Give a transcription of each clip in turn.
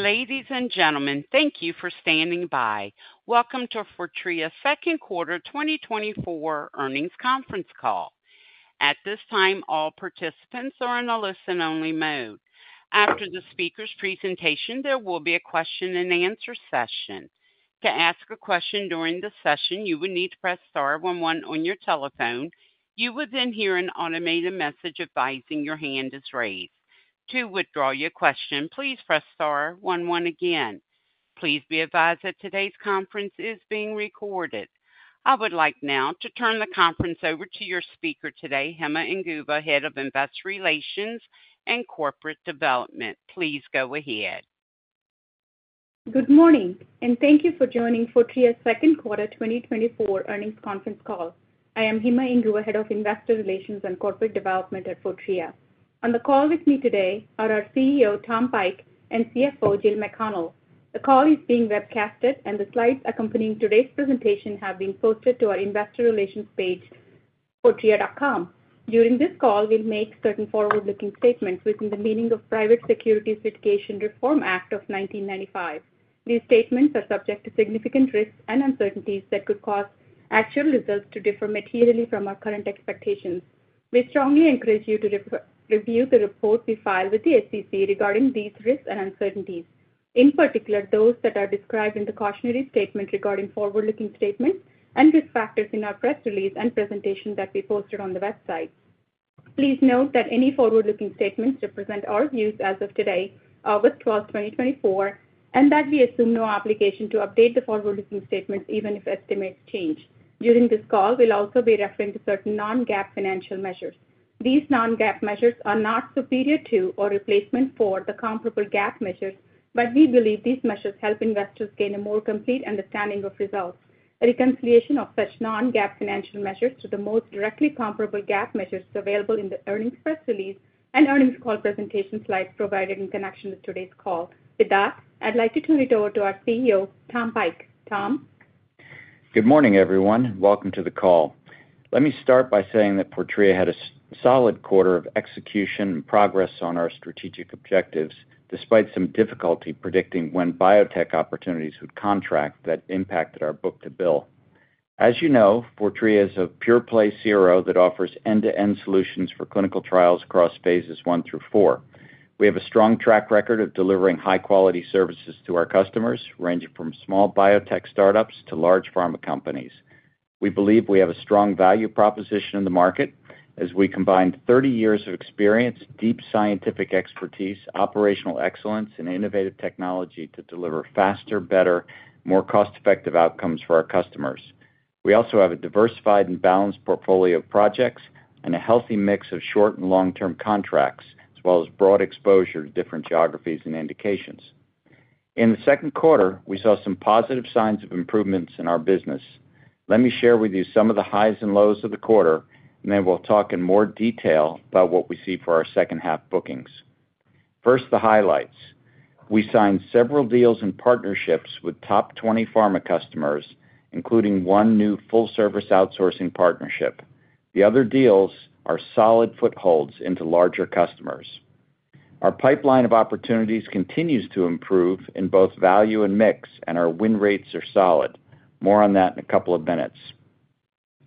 Ladies and gentlemen, thank you for standing by. Welcome to Fortrea's Second Quarter 2024 Earnings Conference Call. At this time, all participants are in a listen-only mode. After the speaker's presentation, there will be a question-and-answer session. To ask a question during the session, you would need to press star one one on your telephone. You would then hear an automated message advising your hand is raised. To withdraw your question, please press star one one again. Please be advised that today's conference is being recorded. I would like now to turn the conference over to your speaker today, Hima Inguva, Head of Investor Relations and Corporate Development. Please go ahead. Good morning, and thank you for joining Fortrea's Second Quarter 2024 Earnings Conference Call. I am Hima Inguva, Head of Investor Relations and Corporate Development at Fortrea. On the call with me today are our CEO, Tom Pike, and CFO, Jill McConnell. The call is being webcast, and the slides accompanying today's presentation have been posted to our investor relations page, fortrea.com. During this call, we'll make certain forward-looking statements within the meaning of Private Securities Litigation Reform Act of 1995. These statements are subject to significant risks and uncertainties that could cause actual results to differ materially from our current expectations. We strongly encourage you to review the reports we file with the SEC regarding these risks and uncertainties, in particular, those that are described in the cautionary statement regarding forward-looking statements and risk factors in our press release and presentation that we posted on the website. Please note that any forward-looking statements represent our views as of today, August 12, 2024, and that we assume no obligation to update the forward-looking statements even if estimates change. During this call, we'll also be referring to certain non-GAAP financial measures. These non-GAAP measures are not superior to or replacement for the comparable GAAP measures, but we believe these measures help investors gain a more complete understanding of results. A reconciliation of such non-GAAP financial measures to the most directly comparable GAAP measures is available in the earnings press release and earnings call presentation slides provided in connection with today's call. With that, I'd like to turn it over to our CEO, Tom Pike. Tom? Good morning, everyone. Welcome to the call. Let me start by saying that Fortrea had a solid quarter of execution and progress on our strategic objectives, despite some difficulty predicting when biotech opportunities would contract that impacted our book-to-bill. As you know, Fortrea is a pure play CRO that offers end-to-end solutions for clinical trials across phases I through IV. We have a strong track record of delivering high-quality services to our customers, ranging from small biotech startups to large pharma companies. We believe we have a strong value proposition in the market as we combine 30 years of experience, deep scientific expertise, operational excellence, and innovative technology to deliver faster, better, more cost-effective outcomes for our customers. We also have a diversified and balanced portfolio of projects and a healthy mix of short- and long-term contracts, as well as broad exposure to different geographies and indications. In the second quarter, we saw some positive signs of improvements in our business. Let me share with you some of the highs and lows of the quarter, and then we'll talk in more detail about what we see for our second-half bookings. First, the highlights. We signed several deals and partnerships with top 20 pharma customers, including one new full-service outsourcing partnership. The other deals are solid footholds into larger customers. Our pipeline of opportunities continues to improve in both value and mix, and our win rates are solid. More on that in a couple of minutes.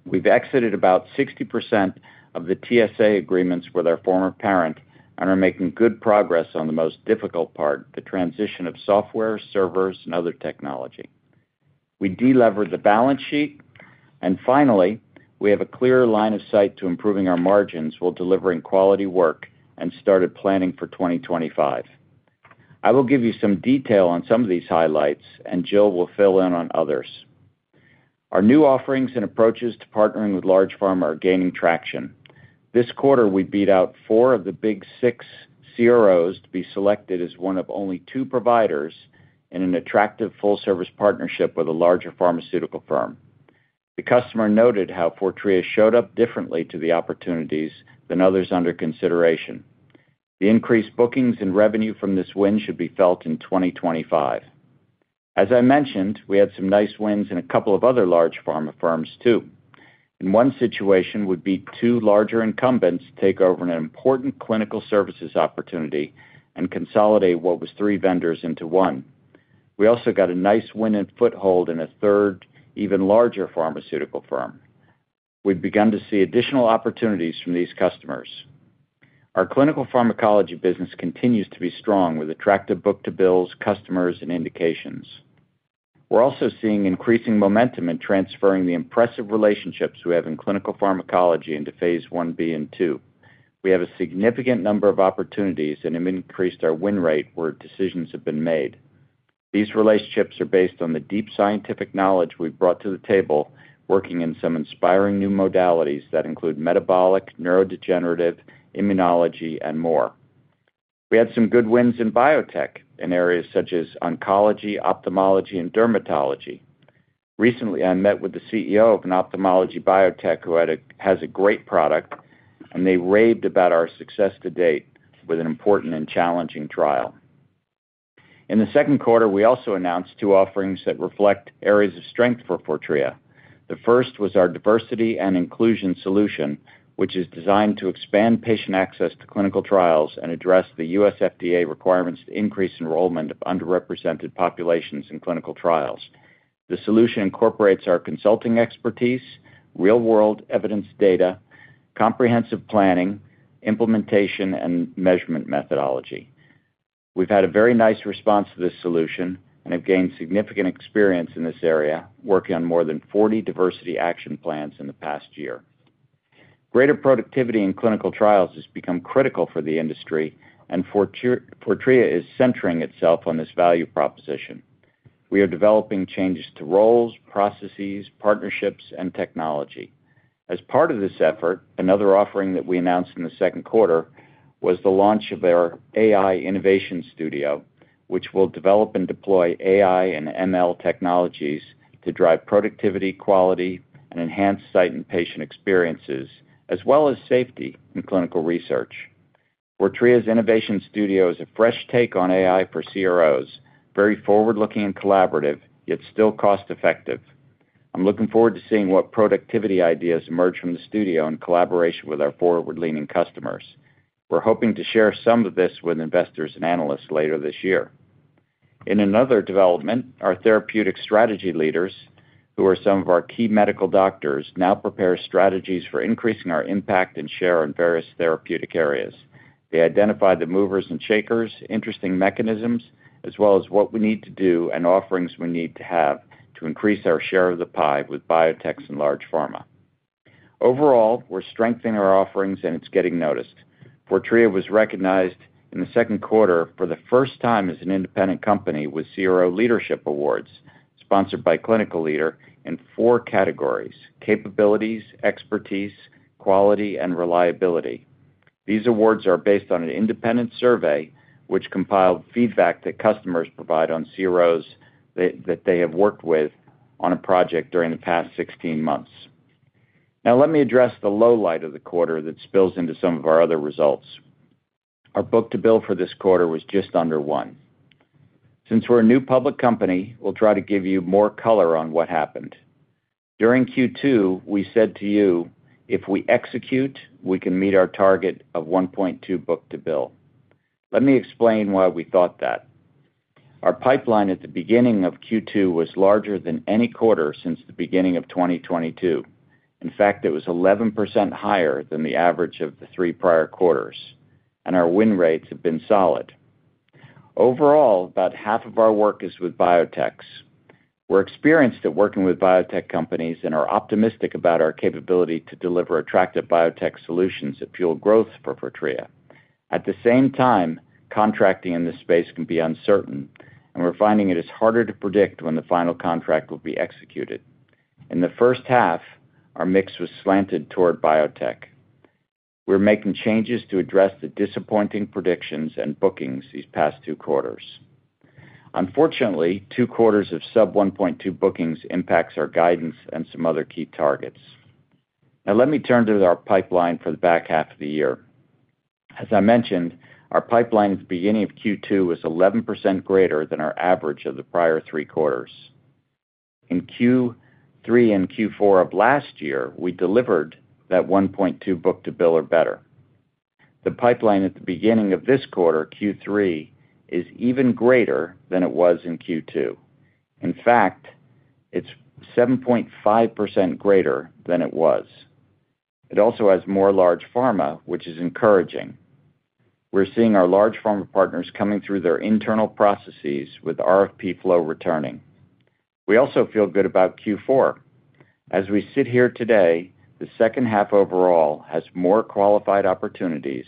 We've exited about 60% of the TSA agreements with our former parent and are making good progress on the most difficult part, the transition of software, servers, and other technology. We delevered the balance sheet, and finally, we have a clearer line of sight to improving our margins while delivering quality work and started planning for 2025. I will give you some detail on some of these highlights, and Jill will fill in on others. Our new offerings and approaches to partnering with large pharma are gaining traction. This quarter, we beat out four of the big six CROs to be selected as one of only two providers in an attractive full-service partnership with a larger pharmaceutical firm. The customer noted how Fortrea showed up differently to the opportunities than others under consideration. The increased bookings and revenue from this win should be felt in 2025. As I mentioned, we had some nice wins in a couple of other large pharma firms, too. In one situation, we beat two larger incumbents to take over an important clinical services opportunity and consolidate what was three vendors into one. We also got a nice win and foothold in a third, even larger pharmaceutical firm. We've begun to see additional opportunities from these customers. Our clinical pharmacology business continues to be strong, with attractive book-to-bills, customers, and indications. We're also seeing increasing momentum in transferring the impressive relationships we have in clinical pharmacology into phase Ib and II. We have a significant number of opportunities and have increased our win rate where decisions have been made. These relationships are based on the deep scientific knowledge we've brought to the table, working in some inspiring new modalities that include metabolic, neurodegenerative, immunology, and more. We had some good wins in biotech in areas such as oncology, ophthalmology, and dermatology. Recently, I met with the CEO of an ophthalmology biotech who has a great product, and they raved about our success to date with an important and challenging trial. In the second quarter, we also announced two offerings that reflect areas of strength for Fortrea. The first was our Diversity and Inclusion Solution, which is designed to expand patient access to clinical trials and address the U.S. FDA requirements to increase enrollment of underrepresented populations in clinical trials. The solution incorporates our consulting expertise, real-world evidence data, comprehensive planning, implementation, and measurement methodology. We've had a very nice response to this solution and have gained significant experience in this area, working on more than 40 diversity action plans in the past year. Greater productivity in clinical trials has become critical for the industry, and Fortrea, Fortrea is centering itself on this value proposition. We are developing changes to roles, processes, partnerships, and technology. As part of this effort, another offering that we announced in the second quarter was the launch of our AI Innovation Studio, which will develop and deploy AI and ML technologies to drive productivity, quality, and enhance site and patient experiences, as well as safety in clinical research. Fortrea's Innovation Studio is a fresh take on AI for CROs, very forward-looking and collaborative, yet still cost-effective. I'm looking forward to seeing what productivity ideas emerge from the studio in collaboration with our forward-leaning customers. We're hoping to share some of this with investors and analysts later this year. In another development, our therapeutic strategy leaders, who are some of our key medical doctors, now prepare strategies for increasing our impact and share in various therapeutic areas. They identify the movers and shakers, interesting mechanisms, as well as what we need to do and offerings we need to have to increase our share of the pie with biotechs and large pharma. Overall, we're strengthening our offerings, and it's getting noticed. Fortrea was recognized in the second quarter for the first time as an independent company with CRO Leadership Awards, sponsored by Clinical Leader, in four categories: capabilities, expertise, quality, and reliability. These awards are based on an independent survey, which compiled feedback that customers provide on CROs that they have worked with on a project during the past 16 months. Now, let me address the low light of the quarter that spills into some of our other results. Our book-to-bill for this quarter was just under one. Since we're a new public company, we'll try to give you more color on what happened. During Q2, we said to you, "If we execute, we can meet our target of 1.2 book-to-bill." Let me explain why we thought that. Our pipeline at the beginning of Q2 was larger than any quarter since the beginning of 2022. In fact, it was 11% higher than the average of the three prior quarters, and our win rates have been solid. Overall, about half of our work is with biotechs. We're experienced at working with biotech companies and are optimistic about our capability to deliver attractive biotech solutions that fuel growth for Fortrea. At the same time, contracting in this space can be uncertain, and we're finding it is harder to predict when the final contract will be executed. In the first half, our mix was slanted toward biotech. We're making changes to address the disappointing predictions and bookings these past two quarters. Unfortunately, two quarters of sub-1.2 bookings impacts our guidance and some other key targets. Now, let me turn to our pipeline for the back half of the year. As I mentioned, our pipeline at the beginning of Q2 was 11% greater than our average of the prior three quarters. In Q3 and Q4 of last year, we delivered that 1.2 book-to-bill or better. The pipeline at the beginning of this quarter, Q3, is even greater than it was in Q2. In fact, it's 7.5% greater than it was. It also has more large pharma, which is encouraging. We're seeing our large pharma partners coming through their internal processes with RFP flow returning. We also feel good about Q4. As we sit here today, the second half overall has more qualified opportunities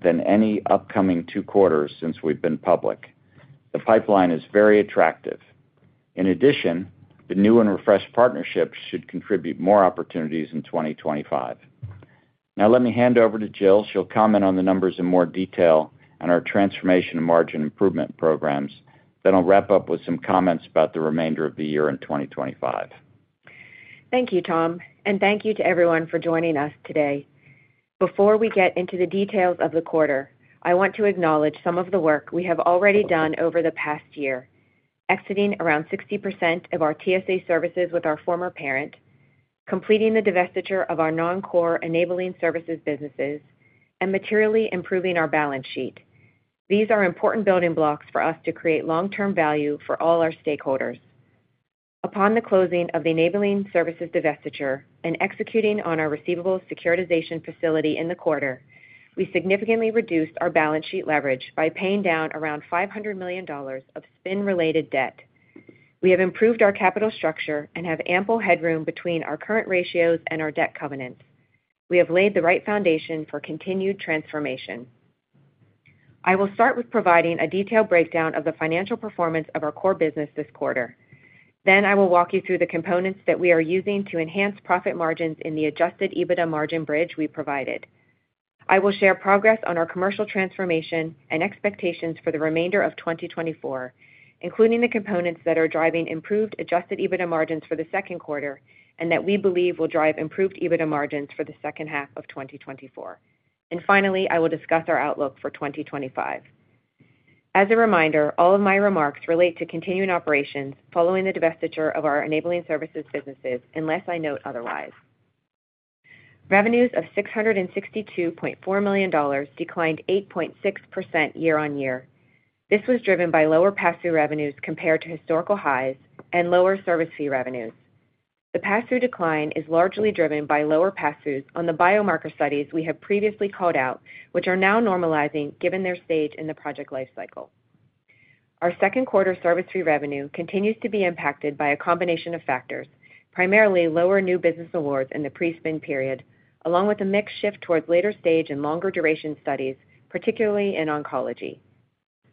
than any upcoming two quarters since we've been public. The pipeline is very attractive. In addition, the new and refreshed partnerships should contribute more opportunities in 2025. Now, let me hand over to Jill. She'll comment on the numbers in more detail on our transformation and margin improvement programs. Then I'll wrap up with some comments about the remainder of the year in 2025. Thank you, Tom, and thank you to everyone for joining us today. Before we get into the details of the quarter, I want to acknowledge some of the work we have already done over the past year, exiting around 60% of our TSA services with our former parent, completing the divestiture of our non-core enabling services businesses, and materially improving our balance sheet. These are important building blocks for us to create long-term value for all our stakeholders. Upon the closing of the enabling services divestiture and executing on our receivables securitization facility in the quarter, we significantly reduced our balance sheet leverage by paying down around $500 million of spin-related debt. We have improved our capital structure and have ample headroom between our current ratios and our debt covenants. We have laid the right foundation for continued transformation. I will start with providing a detailed breakdown of the financial performance of our core business this quarter. Then I will walk you through the components that we are using to enhance profit margins in the Adjusted EBITDA margin bridge we provided. I will share progress on our commercial transformation and expectations for the remainder of 2024, including the components that are driving improved Adjusted EBITDA margins for the second quarter, and that we believe will drive improved EBITDA margins for the second half of 2024. And finally, I will discuss our outlook for 2025. As a reminder, all of my remarks relate to continuing operations following the divestiture of our enabling services businesses, unless I note otherwise. Revenues of $662.4 million declined 8.6% year-on-year. This was driven by lower pass-through revenues compared to historical highs and lower service fee revenues. The pass-through decline is largely driven by lower pass-throughs on the biomarker studies we have previously called out, which are now normalizing given their stage in the project life cycle. Our second quarter service fee revenue continues to be impacted by a combination of factors, primarily lower new business awards in the pre-spin period, along with a mixed shift towards later stage and longer duration studies, particularly in oncology.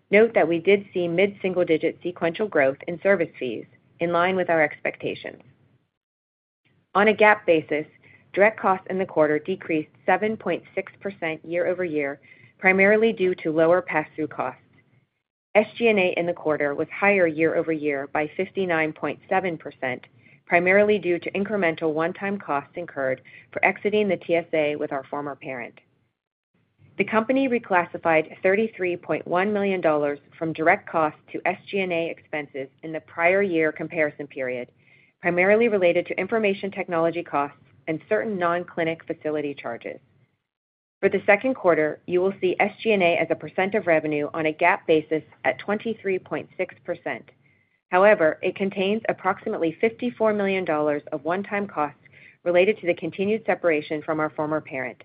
Note that we did see mid-single-digit sequential growth in service fees, in line with our expectations. On a GAAP basis, direct costs in the quarter decreased 7.6% year-over-year, primarily due to lower pass-through costs. SG&A in the quarter was higher year-over-year by 59.7%, primarily due to incremental one-time costs incurred for exiting the TSA with our former parent. The company reclassified $33.1 million from direct costs to SG&A expenses in the prior year comparison period, primarily related to information technology costs and certain non-clinic facility charges. For the second quarter, you will see SG&A as a percent of revenue on a GAAP basis at 23.6%. However, it contains approximately $54 million of one-time costs related to the continued separation from our former parent.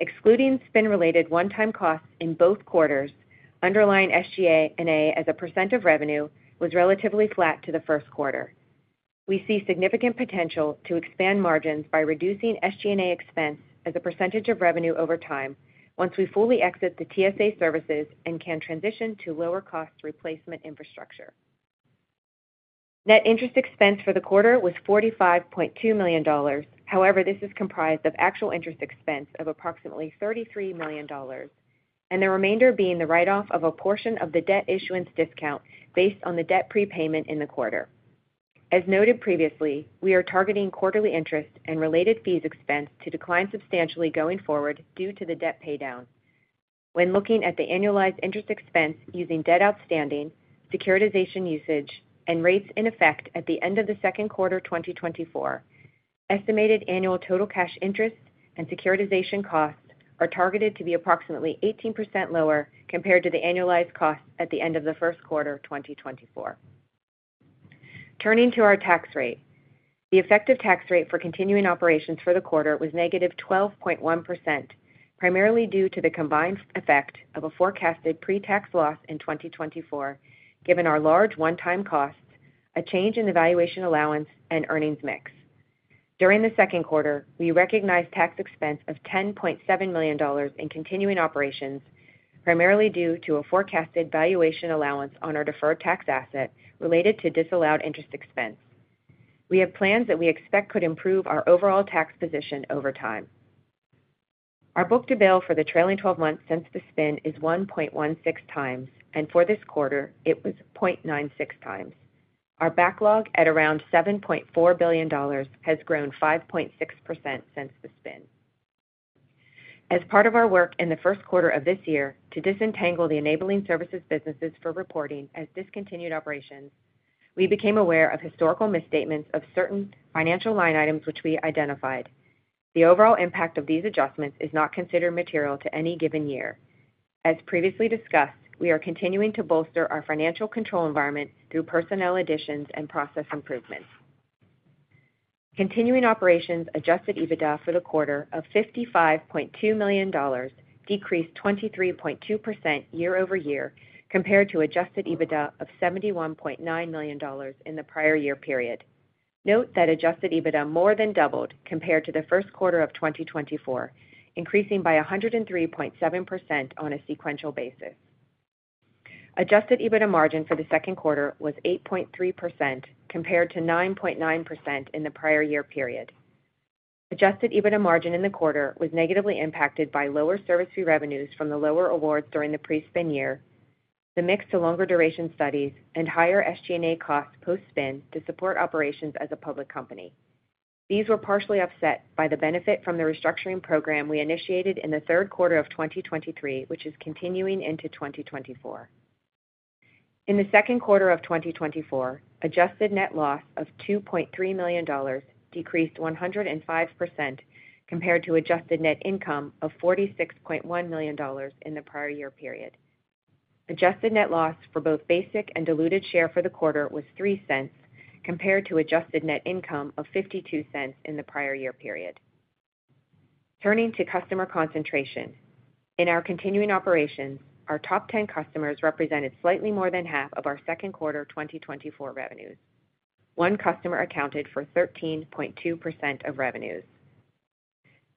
Excluding spin-related one-time costs in both quarters, underlying SG&A as a percent of revenue was relatively flat to the first quarter. We see significant potential to expand margins by reducing SG&A expense as a percentage of revenue over time once we fully exit the TSA services and can transition to lower cost replacement infrastructure. Net interest expense for the quarter was $45.2 million. However, this is comprised of actual interest expense of approximately $33 million, and the remainder being the write-off of a portion of the debt issuance discount based on the debt prepayment in the quarter. As noted previously, we are targeting quarterly interest and related fees expense to decline substantially going forward due to the debt paydown. When looking at the annualized interest expense using debt outstanding, securitization usage, and rates in effect at the end of the second quarter 2024, estimated annual total cash interest and securitization costs are targeted to be approximately 18% lower compared to the annualized costs at the end of the first quarter of 2024. Turning to our tax rate. The effective tax rate for continuing operations for the quarter was -12.1%, primarily due to the combined effect of a forecasted pre-tax loss in 2024, given our large one-time costs, a change in the valuation allowance and earnings mix. During the second quarter, we recognized tax expense of $10.7 million in continuing operations, primarily due to a forecasted valuation allowance on our deferred tax asset related to disallowed interest expense. We have plans that we expect could improve our overall tax position over time. Our book-to-bill for the trailing twelve months since the spin is 1.16x, and for this quarter, it was 0.96x. Our backlog, at around $7.4 billion, has grown 5.6% since the spin. As part of our work in the first quarter of this year to disentangle the enabling services businesses for reporting as discontinued operations, we became aware of historical misstatements of certain financial line items, which we identified. The overall impact of these adjustments is not considered material to any given year. As previously discussed, we are continuing to bolster our financial control environment through personnel additions and process improvements. Continuing operations Adjusted EBITDA for the quarter of $55.2 million decreased 23.2% year-over-year compared to Adjusted EBITDA of $71.9 million in the prior year period. Note that Adjusted EBITDA more than doubled compared to the first quarter of 2024, increasing by 103.7% on a sequential basis. Adjusted EBITDA margin for the second quarter was 8.3%, compared to 9.9% in the prior year period. Adjusted EBITDA margin in the quarter was negatively impacted by lower service fee revenues from the lower awards during the pre-spin year, the mix to longer duration studies, and higher SG&A costs post-spin to support operations as a public company. These were partially offset by the benefit from the restructuring program we initiated in the third quarter of 2023, which is continuing into 2024. In the second quarter of 2024, adjusted net loss of $2.3 million decreased 105% compared to adjusted net income of $46.1 million in the prior year period. Adjusted net loss for both basic and diluted share for the quarter was $0.03, compared to adjusted net income of $0.52 in the prior year period. Turning to customer concentration. In our continuing operations, our top 10 customers represented slightly more than half of our second quarter 2024 revenues. One customer accounted for 13.2% of revenues.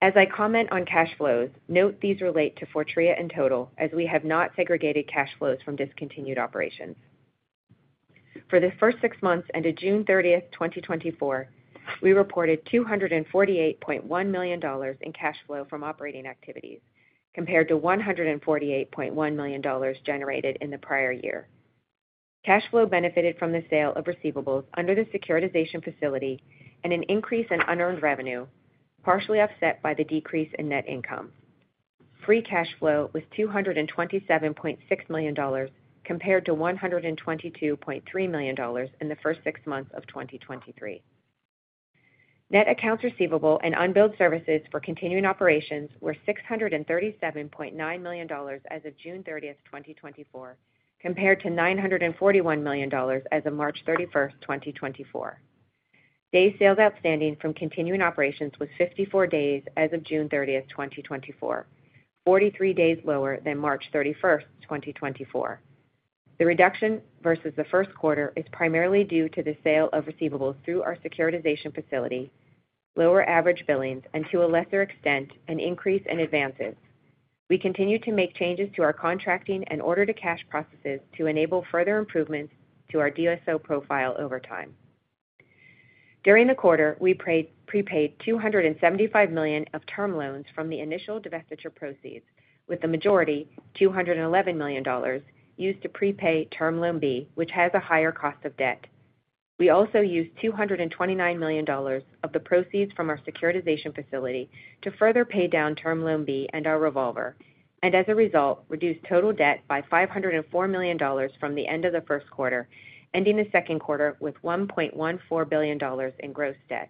As I comment on cash flows, note these relate to Fortrea in total, as we have not segregated cash flows from discontinued operations. For the first six months ended June 30th, 2024, we reported $248.1 million in cash flow from operating activities, compared to $148.1 million generated in the prior year. Cash flow benefited from the sale of receivables under the securitization facility and an increase in unearned revenue, partially offset by the decrease in net income.... Free cash flow was $227.6 million, compared to $122.3 million in the first six months of 2023. Net accounts receivable and unbilled services for continuing operations were $637.9 million as of June 30th, 2024, compared to $941 million as of March 31st, 2024. Days sales outstanding from continuing operations was 54 days as of June 30, 2024, 43 days lower than March 31st, 2024. The reduction versus the first quarter is primarily due to the sale of receivables through our securitization facility, lower average billings, and to a lesser extent, an increase in advances. We continue to make changes to our contracting and order-to-cash processes to enable further improvements to our DSO profile over time. During the quarter, we prepaid $275 million of term loans from the initial divestiture proceeds, with the majority, $211 million, used to prepay Term Loan B, which has a higher cost of debt. We also used $229 million of the proceeds from our securitization facility to further pay down Term Loan B and our revolver, and as a result, reduced total debt by $504 million from the end of the first quarter, ending the second quarter with $1.14 billion in gross debt.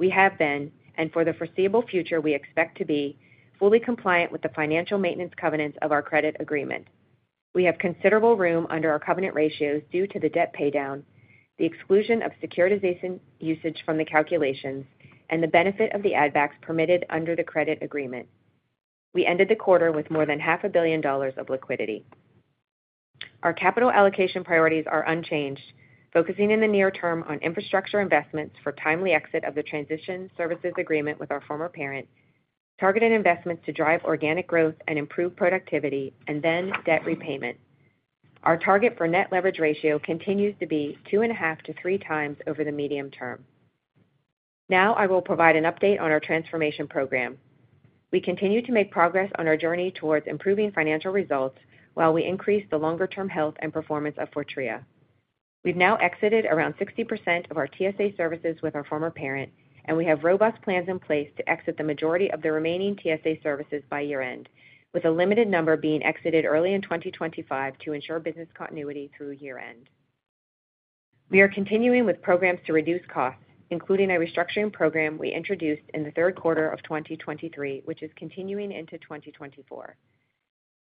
We have been, and for the foreseeable future, we expect to be, fully compliant with the financial maintenance covenants of our credit agreement. We have considerable room under our covenant ratios due to the debt paydown, the exclusion of securitization usage from the calculations, and the benefit of the add backs permitted under the credit agreement. We ended the quarter with more than $500 million of liquidity. Our capital allocation priorities are unchanged, focusing in the near term on infrastructure investments for timely exit of the transition services agreement with our former parent, targeted investments to drive organic growth and improve productivity, and then debt repayment. Our target for net leverage ratio continues to be 2.5x-3x over the medium term. Now I will provide an update on our transformation program. We continue to make progress on our journey towards improving financial results while we increase the longer-term health and performance of Fortrea. We've now exited around 60% of our TSA services with our former parent, and we have robust plans in place to exit the majority of the remaining TSA services by year-end, with a limited number being exited early in 2025 to ensure business continuity through year-end. We are continuing with programs to reduce costs, including a restructuring program we introduced in the third quarter of 2023, which is continuing into 2024.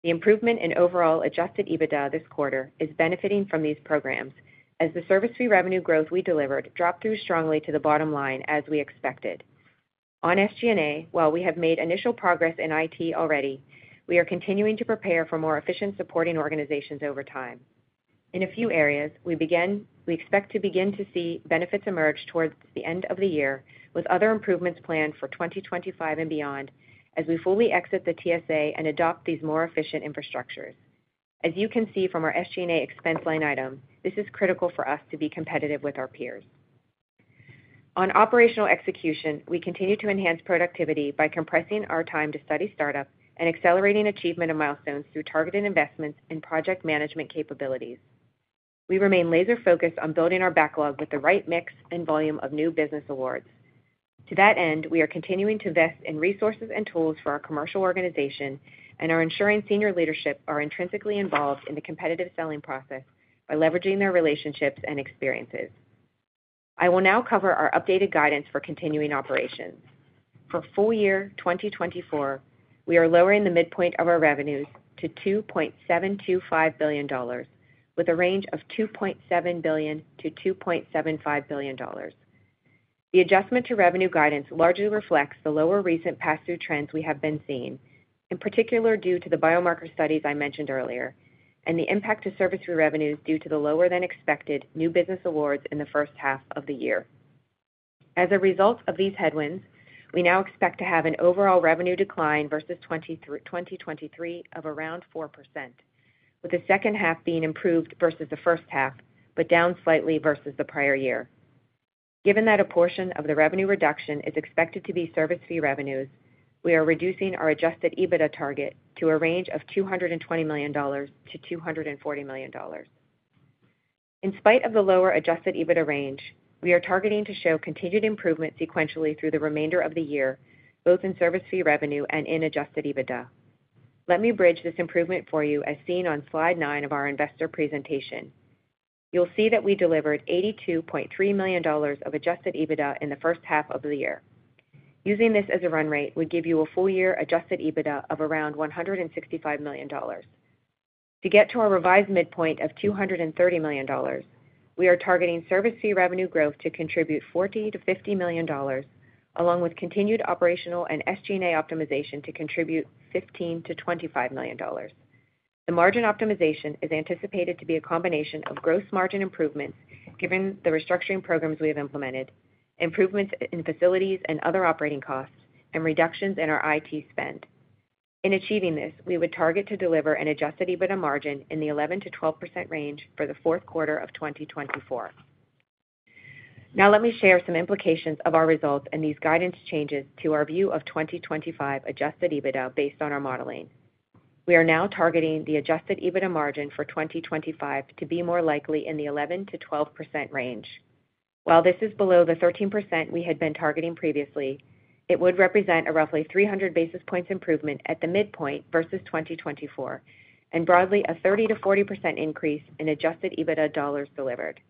The improvement in overall Adjusted EBITDA this quarter is benefiting from these programs, as the service fee revenue growth we delivered dropped through strongly to the bottom line, as we expected. On SG&A, while we have made initial progress in IT already, we are continuing to prepare for more efficient supporting organizations over time. In a few areas, we expect to begin to see benefits emerge towards the end of the year, with other improvements planned for 2025 and beyond, as we fully exit the TSA and adopt these more efficient infrastructures. As you can see from our SG&A expense line item, this is critical for us to be competitive with our peers. On operational execution, we continue to enhance productivity by compressing our time to study startup and accelerating achievement of milestones through targeted investments in project management capabilities. We remain laser-focused on building our backlog with the right mix and volume of new business awards. To that end, we are continuing to invest in resources and tools for our commercial organization and are ensuring senior leadership are intrinsically involved in the competitive selling process by leveraging their relationships and experiences. I will now cover our updated guidance for continuing operations. For full year 2024, we are lowering the midpoint of our revenues to $2.725 billion, with a range of $2.7 billion-$2.75 billion. The adjustment to revenue guidance largely reflects the lower recent pass-through trends we have been seeing, in particular, due to the biomarker studies I mentioned earlier, and the impact to service fee revenues due to the lower-than-expected new business awards in the first half of the year. As a result of these headwinds, we now expect to have an overall revenue decline versus 2023 of around 4%, with the second half being improved versus the first half, but down slightly versus the prior year. Given that a portion of the revenue reduction is expected to be service fee revenues, we are reducing our Adjusted EBITDA target to a range of $220 million-$240 million. In spite of the lower Adjusted EBITDA range, we are targeting to show continued improvement sequentially through the remainder of the year, both in service fee revenue and in Adjusted EBITDA. Let me bridge this improvement for you as seen on Slide nine of our investor presentation. You'll see that we delivered $82.3 million of Adjusted EBITDA in the first half of the year. Using this as a run rate would give you a full year Adjusted EBITDA of around $165 million. To get to our revised midpoint of $230 million, we are targeting service fee revenue growth to contribute $40 million-$50 million, along with continued operational and SG&A optimization to contribute $15 million-$25 million. The margin optimization is anticipated to be a combination of gross margin improvements, given the restructuring programs we have implemented, improvements in facilities and other operating costs, and reductions in our IT spend. In achieving this, we would target to deliver an Adjusted EBITDA margin in the 11%-12% range for the fourth quarter of 2024. Now let me share some implications of our results and these guidance changes to our view of 2025 Adjusted EBITDA based on our modeling. We are now targeting the Adjusted EBITDA margin for 2025 to be more likely in the 11%-12% range. While this is below the 13% we had been targeting previously, it would represent a roughly 300 basis points improvement at the midpoint versus 2024, and broadly, a 30%-40% increase in Adjusted EBITDA dollars delivered.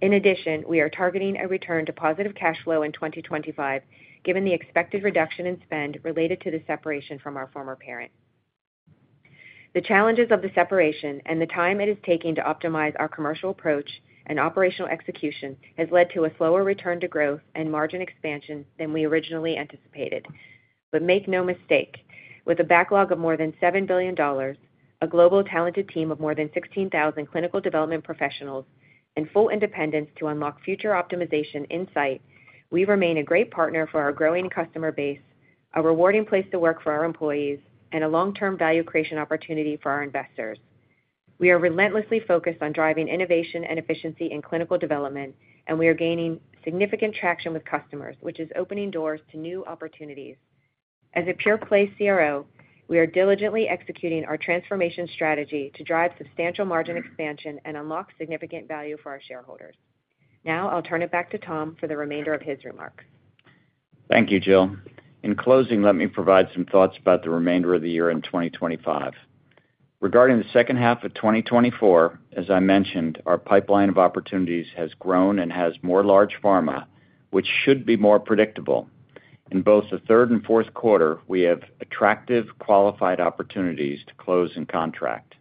In addition, we are targeting a return to positive cash flow in 2025, given the expected reduction in spend related to the separation from our former parent. The challenges of the separation and the time it is taking to optimize our commercial approach and operational execution has led to a slower return to growth and margin expansion than we originally anticipated. But make no mistake, with a backlog of more than $7 billion, a global talented team of more than 16,000 clinical development professionals, and full independence to unlock future optimization insight, we remain a great partner for our growing customer base, a rewarding place to work for our employees, and a long-term value creation opportunity for our investors. We are relentlessly focused on driving innovation and efficiency in clinical development, and we are gaining significant traction with customers, which is opening doors to new opportunities. As a pure play CRO, we are diligently executing our transformation strategy to drive substantial margin expansion and unlock significant value for our shareholders. Now I'll turn it back to Tom for the remainder of his remarks. Thank you, Jill. In closing, let me provide some thoughts about the remainder of the year in 2025. Regarding the second half of 2024, as I mentioned, our pipeline of opportunities has grown and has more large pharma, which should be more predictable. In both the third and fourth quarter, we have attractive, qualified opportunities to close and contract.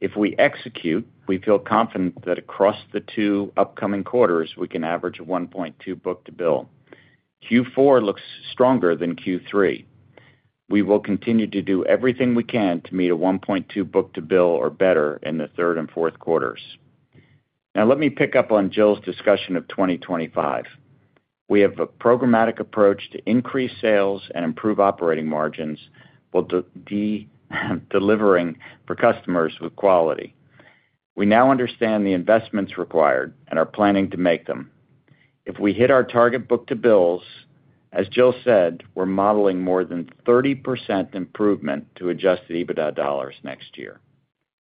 If we execute, we feel confident that across the two upcoming quarters, we can average a 1.2 book-to-bill. Q4 looks stronger than Q3. We will continue to do everything we can to meet a 1.2 book-to-bill or better in the third and fourth quarters. Now, let me pick up on Jill's discussion of 2025. We have a programmatic approach to increase sales and improve operating margins, while delivering for customers with quality. We now understand the investments required and are planning to make them. If we hit our target book-to-bills, as Jill said, we're modeling more than 30% improvement to Adjusted EBITDA dollars next year.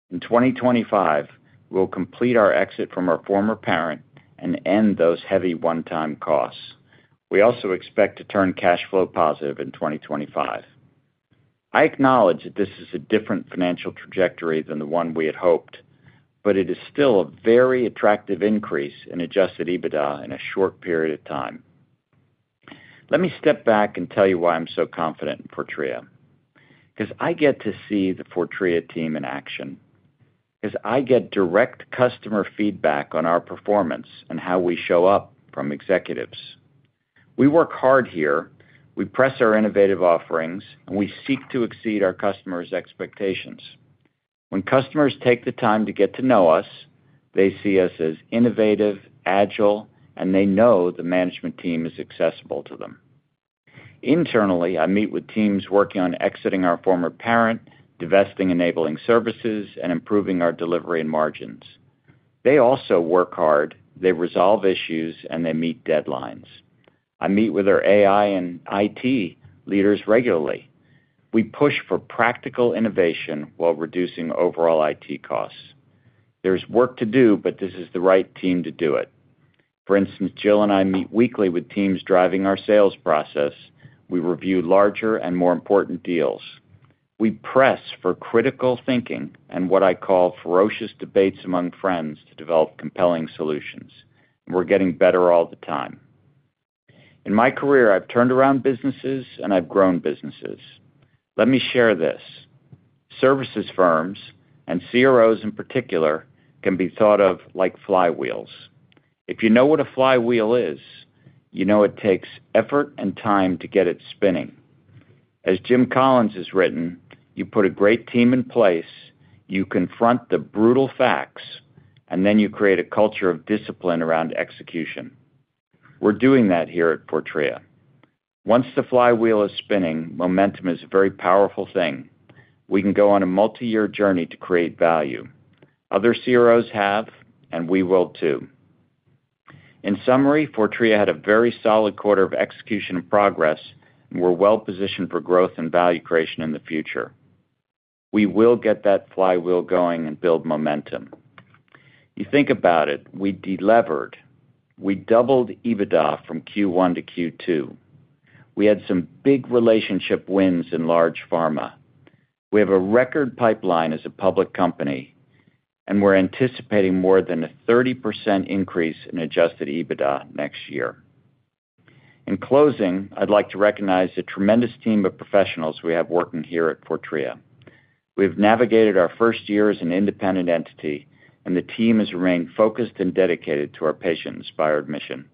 In 2025, we'll complete our exit from our former parent and end those heavy one-time costs. We also expect to turn cash flow positive in 2025. I acknowledge that this is a different financial trajectory than the one we had hoped, but it is still a very attractive increase in Adjusted EBITDA in a short period of time. Let me step back and tell you why I'm so confident in Fortrea. Because I get to see the Fortrea team in action, because I get direct customer feedback on our performance and how we show up from executives. We work hard here, we press our innovative offerings, and we seek to exceed our customers' expectations. When customers take the time to get to know us, they see us as innovative, agile, and they know the management team is accessible to them. Internally, I meet with teams working on exiting our former parent, divesting enabling services, and improving our delivery and margins. They also work hard, they resolve issues, and they meet deadlines. I meet with our AI and IT leaders regularly. We push for practical innovation while reducing overall IT costs. There's work to do, but this is the right team to do it. For instance, Jill and I meet weekly with teams driving our sales process. We review larger and more important deals. We press for critical thinking and what I call ferocious debates among friends to develop compelling solutions, and we're getting better all the time. In my career, I've turned around businesses and I've grown businesses. Let me share this: services firms, and CROs in particular, can be thought of like flywheels. If you know what a flywheel is, you know it takes effort and time to get it spinning. As Jim Collins has written, "You put a great team in place, you confront the brutal facts, and then you create a culture of discipline around execution." We're doing that here at Fortrea. Once the flywheel is spinning, momentum is a very powerful thing. We can go on a multi-year journey to create value. Other CROs have, and we will, too. In summary, Fortrea had a very solid quarter of execution and progress, and we're well positioned for growth and value creation in the future. We will get that flywheel going and build momentum. You think about it, we delevered, we doubled EBITDA from Q1 to Q2. We had some big relationship wins in large pharma. We have a record pipeline as a public company, and we're anticipating more than a 30% increase in Adjusted EBITDA next year. In closing, I'd like to recognize the tremendous team of professionals we have working here at Fortrea. We've navigated our first year as an independent entity, and the team has remained focused and dedicated to our patient-inspired mission.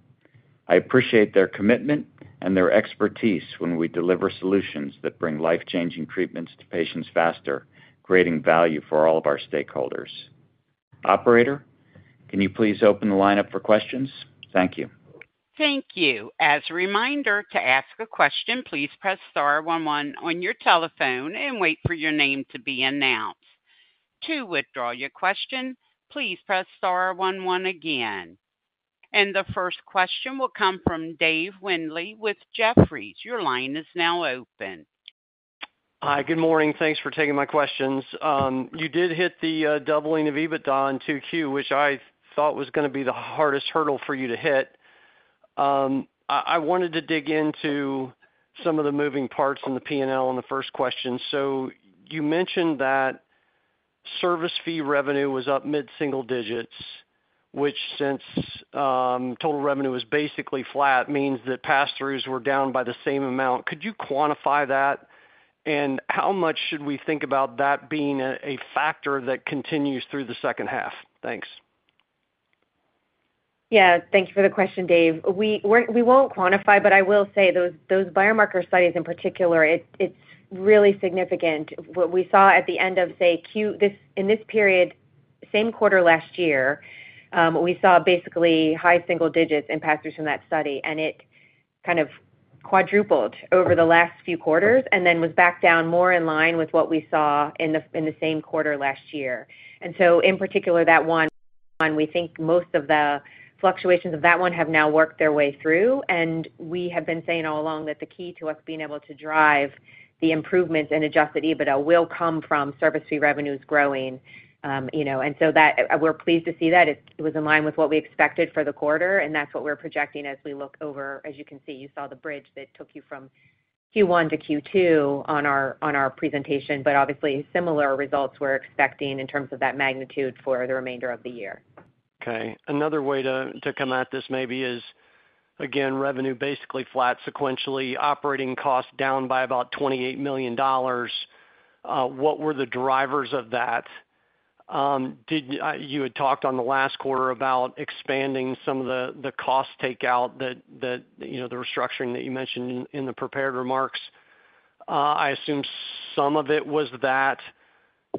I appreciate their commitment and their expertise when we deliver solutions that bring life-changing treatments to patients faster, creating value for all of our stakeholders. Operator, can you please open the line up for questions? Thank you. Thank you. As a reminder, to ask a question, please press star one one on your telephone and wait for your name to be announced. To withdraw your question, please press star one one again.... And the first question will come from Dave Windley with Jefferies. Your line is now open. Hi, good morning. Thanks for taking my questions. You did hit the doubling of EBITDA in 2Q, which I thought was gonna be the hardest hurdle for you to hit. I wanted to dig into some of the moving parts on the P&L on the first question. So you mentioned that service fee revenue was up mid-single digits, which since total revenue was basically flat, means that pass-throughs were down by the same amount. Could you quantify that? And how much should we think about that being a factor that continues through the second half? Thanks. Yeah, thank you for the question, Dave. We're, we won't quantify, but I will say those, those biomarker studies in particular, it's really significant. What we saw at the end of, say, in this period, same quarter last year, we saw basically high single digits in pass-throughs from that study, and it kind of quadrupled over the last few quarters, and then was back down more in line with what we saw in the, in the same quarter last year. And so in particular, that one, we think most of the fluctuations of that one have now worked their way through, and we have been saying all along that the key to us being able to drive the improvements in Adjusted EBITDA will come from service fee revenues growing. You know, and so that we're pleased to see that. It was in line with what we expected for the quarter, and that's what we're projecting as we look over... As you can see, you saw the bridge that took you from Q1 to Q2 on our presentation, but obviously, similar results we're expecting in terms of that magnitude for the remainder of the year. Okay. Another way to come at this maybe is, again, revenue basically flat sequentially, operating costs down by about $28 million. What were the drivers of that? Did you had talked on the last quarter about expanding some of the cost takeout that you know, the restructuring that you mentioned in the prepared remarks. I assume some of it was that.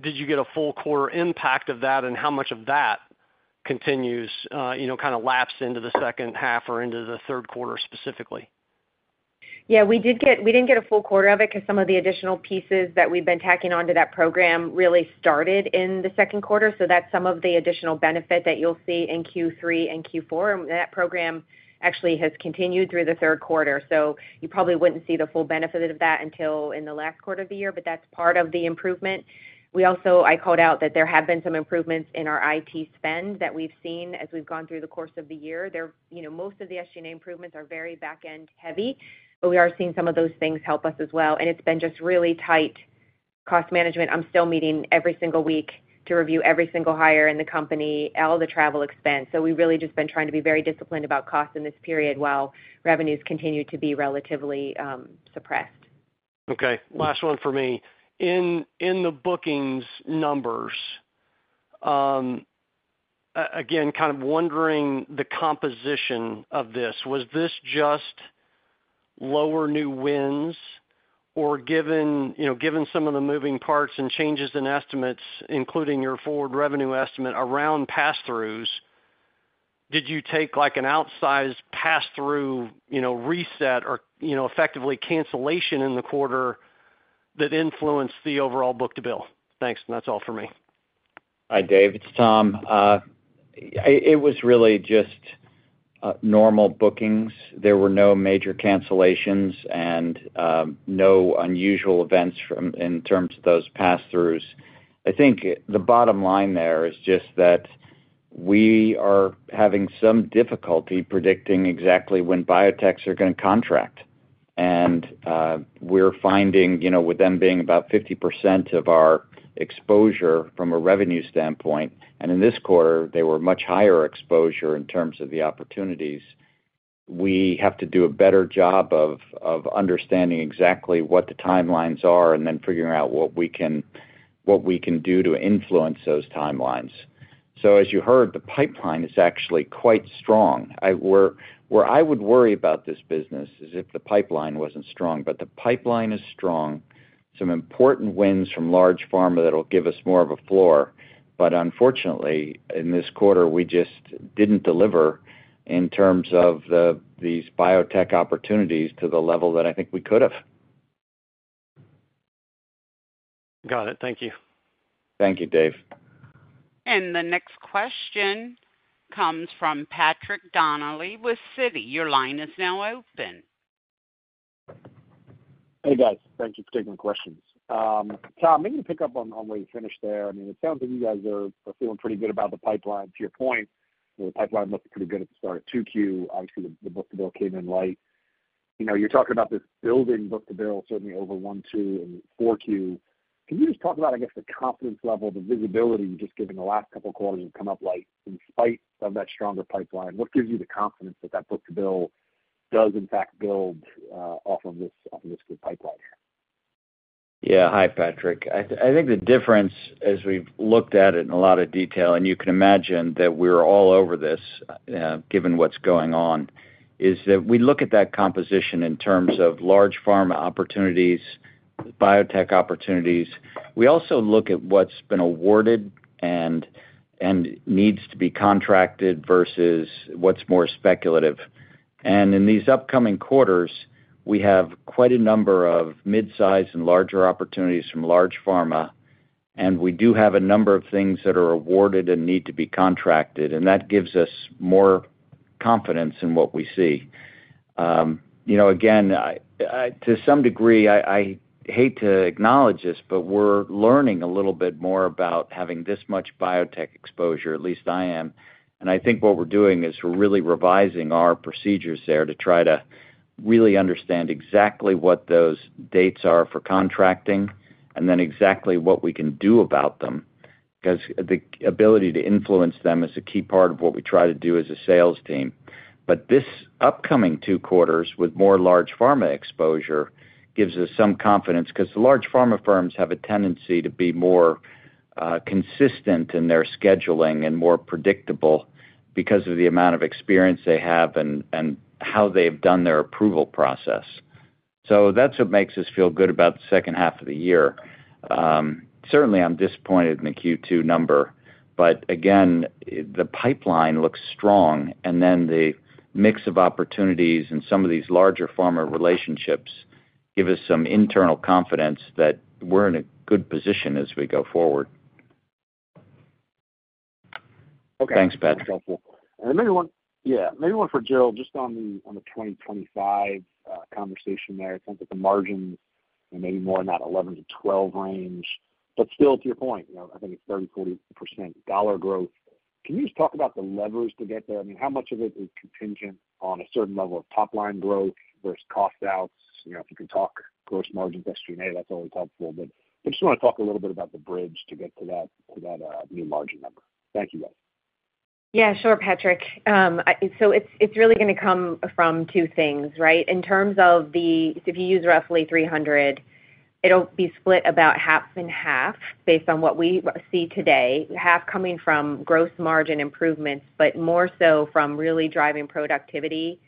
Did you get a full quarter impact of that, and how much of that continues you know, kind of lapsed into the second half or into the third quarter specifically? Yeah, we didn't get a full quarter of it because some of the additional pieces that we've been tacking onto that program really started in the second quarter. So that's some of the additional benefit that you'll see in Q3 and Q4. And that program actually has continued through the third quarter, so you probably wouldn't see the full benefit of that until in the last quarter of the year, but that's part of the improvement. We also, I called out that there have been some improvements in our IT spend that we've seen as we've gone through the course of the year. There, you know, most of the SG&A improvements are very back-end heavy, but we are seeing some of those things help us as well, and it's been just really tight cost management. I'm still meeting every single week to review every single hire in the company, all the travel expense. So we really just been trying to be very disciplined about costs in this period while revenues continue to be relatively suppressed. Okay, last one for me. In the bookings numbers, again, kind of wondering the composition of this. Was this just lower new wins or given, you know, given some of the moving parts and changes in estimates, including your forward revenue estimate around pass-throughs, did you take, like, an outsized pass-through, you know, reset or, you know, effectively cancellation in the quarter that influenced the overall book-to-bill? Thanks, and that's all for me. Hi, Dave, it's Tom. It was really just normal bookings. There were no major cancellations and no unusual events from, in terms of those pass-throughs. I think the bottom line there is just that we are having some difficulty predicting exactly when biotechs are going to contract. And we're finding, you know, with them being about 50% of our exposure from a revenue standpoint, and in this quarter, they were much higher exposure in terms of the opportunities. We have to do a better job of understanding exactly what the timelines are and then figuring out what we can do to influence those timelines. So as you heard, the pipeline is actually quite strong. Where I would worry about this business is if the pipeline wasn't strong. But the pipeline is strong. Some important wins from large pharma that'll give us more of a floor. But unfortunately, in this quarter, we just didn't deliver in terms of the, these biotech opportunities to the level that I think we could have. Got it. Thank you. Thank you, Dave. The next question comes from Patrick Donnelly with Citi. Your line is now open. Hey, guys. Thank you for taking the questions. Tom, maybe to pick up on where you finished there. I mean, it sounds like you guys are feeling pretty good about the pipeline. To your point, the pipeline looked pretty good at the start of 2Q. Obviously, the book-to-bill came in light. You know, you're talking about this building book-to-bill, certainly over one, two, and 4Q. Can you just talk about, I guess, the confidence level, the visibility, just given the last couple of quarters have come up light in spite of that stronger pipeline? What gives you the confidence that that book-to-bill does in fact build off of this good pipeline? Yeah. Hi, Patrick. I think the difference, as we've looked at it in a lot of detail, and you can imagine that we're all over this, given what's going on, is that we look at that composition in terms of large pharma opportunities, biotech opportunities. We also look at what's been awarded and needs to be contracted versus what's more speculative. And in these upcoming quarters, we have quite a number of midsize and larger opportunities from large pharma. And we do have a number of things that are awarded and need to be contracted, and that gives us more confidence in what we see. You know, again, to some degree, I hate to acknowledge this, but we're learning a little bit more about having this much biotech exposure, at least I am. I think what we're doing is we're really revising our procedures there to try to really understand exactly what those dates are for contracting, and then exactly what we can do about them. Because the ability to influence them is a key part of what we try to do as a sales team. But this upcoming two quarters, with more large pharma exposure, gives us some confidence, because the large pharma firms have a tendency to be more consistent in their scheduling and more predictable because of the amount of experience they have and how they've done their approval process. So that's what makes us feel good about the second half of the year. Certainly, I'm disappointed in the Q2 number, but again, the pipeline looks strong, and then the mix of opportunities and some of these larger pharma relationships give us some internal confidence that we're in a good position as we go forward. Okay. Thanks, Patrick. Maybe one for Jill, just on the 2025 conversation there. I think that the margin may be more in that 11%-12% range. But still, to your point, you know, I think it's 30%-40% dollar growth. Can you just talk about the levers to get there? I mean, how much of it is contingent on a certain level of top line growth versus cost outs? You know, if you can talk gross margins, SG&A, that's always helpful. But I just wanna talk a little bit about the bridge to get to that, to that new margin number. Thank you, guys. Yeah, sure, Patrick. So it's really gonna come from two things, right? In terms of the, so if you use roughly $300, it'll be split about half and half, based on what we see today, half coming from gross margin improvements, but more so from really driving productivity,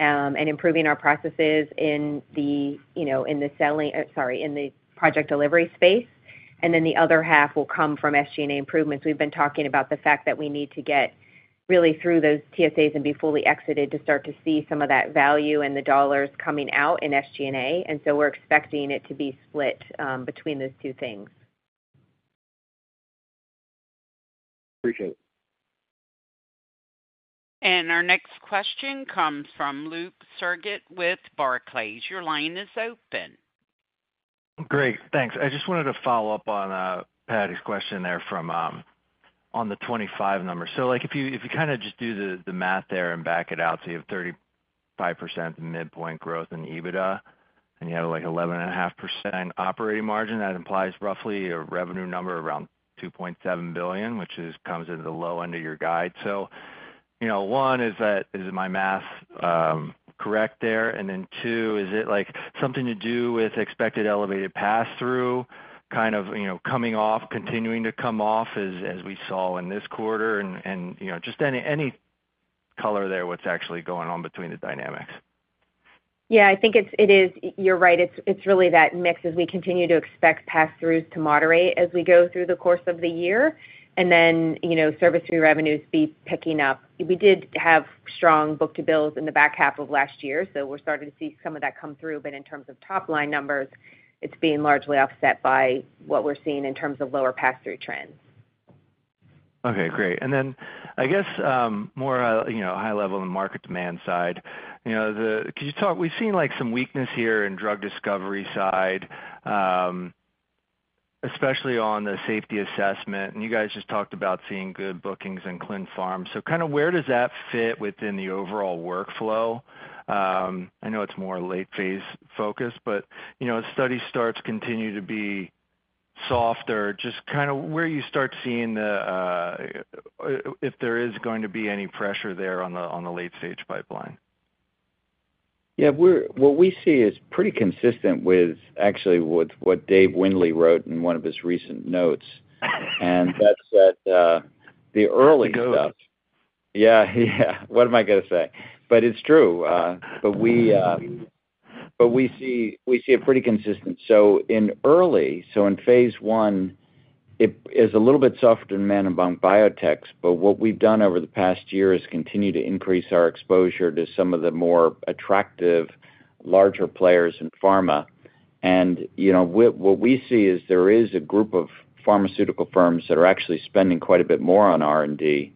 and improving our processes in the, you know, in the selling, sorry, in the project delivery space. And then the other half will come from SG&A improvements. We've been talking about the fact that we need to get really through those TSAs and be fully exited to start to see some of that value and the dollars coming out in SG&A, and so we're expecting it to be split between those two things. Appreciate it. Our next question comes from Luke Sergott with Barclays. Your line is open. Great, thanks. I just wanted to follow up on Patrick's question there from on the 25 number. So like, if you kind of just do the math there and back it out, so you have 35% midpoint growth in EBITDA, and you have, like, 11.5% operating margin, that implies roughly a revenue number around $2.7 billion, which comes into the low end of your guide. So, you know, one, is that my math correct there? And then two, is it like something to do with expected elevated passthrough, kind of, you know, coming off, continuing to come off, as we saw in this quarter? And you know, just any color there, what's actually going on between the dynamics. Yeah, I think it is. You're right. It's really that mix as we continue to expect passthroughs to moderate as we go through the course of the year. And then, you know, service fee revenues be picking up. We did have strong book-to-bill in the back half of last year, so we're starting to see some of that come through. But in terms of top line numbers, it's being largely offset by what we're seeing in terms of lower passthrough trends. Okay, great. And then I guess, more, you know, high level on the market demand side, you know, could you talk... We've seen, like, some weakness here in drug discovery side, especially on the safety assessment, and you guys just talked about seeing good bookings in clin pharm. So kind of where does that fit within the overall workflow? I know it's more late phase focused, but, you know, study starts continue to be softer. Just kind of where you start seeing the, if there is going to be any pressure there on the, on the late-stage pipeline. Yeah, what we see is pretty consistent with, actually, with what Dave Windley wrote in one of his recent notes. And that's that, the early stuff- He goes. Yeah, yeah. What am I gonna say? But it's true. But we see it pretty consistent. So in phase I, it is a little bit softer demand by biotechs, but what we've done over the past year is continue to increase our exposure to some of the more attractive, larger players in pharma. And, you know, what we see is there is a group of pharmaceutical firms that are actually spending quite a bit more on R&D,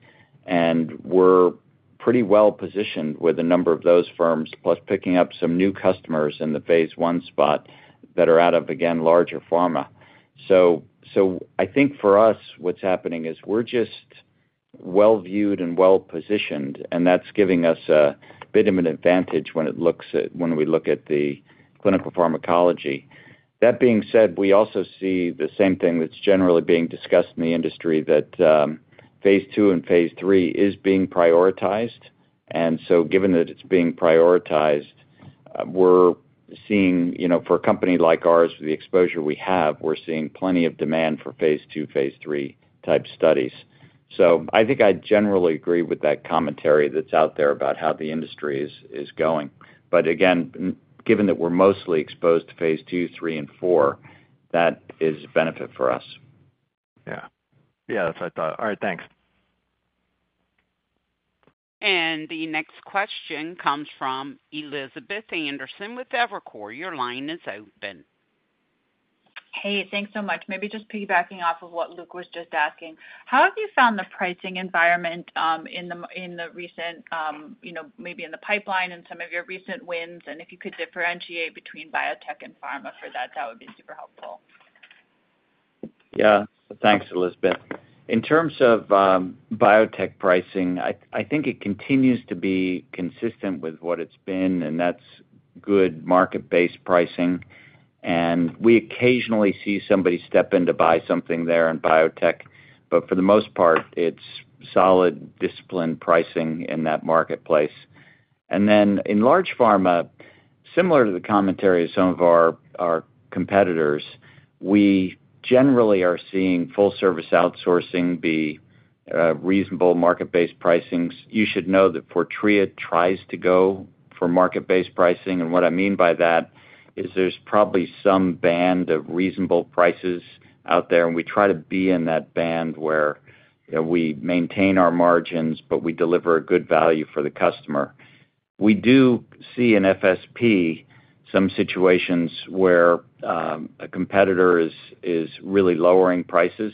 and we're pretty well positioned with a number of those firms, plus picking up some new customers in the phase I spot that are out of, again, larger pharma. So, so I think for us, what's happening is we're just well-viewed and well-positioned, and that's giving us a bit of an advantage when it looks at—when we look at the clinical pharmacology. That being said, we also see the same thing that's generally being discussed in the industry, that phase II and phase III is being prioritized. And so given that it's being prioritized, we're seeing, you know, for a company like ours, the exposure we have, we're seeing plenty of demand for phase II, phase III-type studies. So I think I generally agree with that commentary that's out there about how the industry is, is going. But again, given that we're mostly exposed to phase II, III, and IV, that is a benefit for us. Yeah. Yeah, that's what I thought. All right, thanks. ... The next question comes from Elizabeth Anderson with Evercore. Your line is open. Hey, thanks so much. Maybe just piggybacking off of what Luke was just asking, how have you found the pricing environment in the recent, you know, maybe in the pipeline and some of your recent wins? And if you could differentiate between biotech and pharma for that, that would be super helpful. Yeah. Thanks, Elizabeth. In terms of biotech pricing, I think it continues to be consistent with what it's been, and that's good market-based pricing. And we occasionally see somebody step in to buy something there in biotech, but for the most part, it's solid, disciplined pricing in that marketplace. And then in large pharma, similar to the commentary of some of our competitors, we generally are seeing full service outsourcing be reasonable market-based pricings. You should know that Fortrea tries to go for market-based pricing, and what I mean by that is there's probably some band of reasonable prices out there, and we try to be in that band where, you know, we maintain our margins, but we deliver a good value for the customer. We do see in FSP some situations where a competitor is really lowering prices.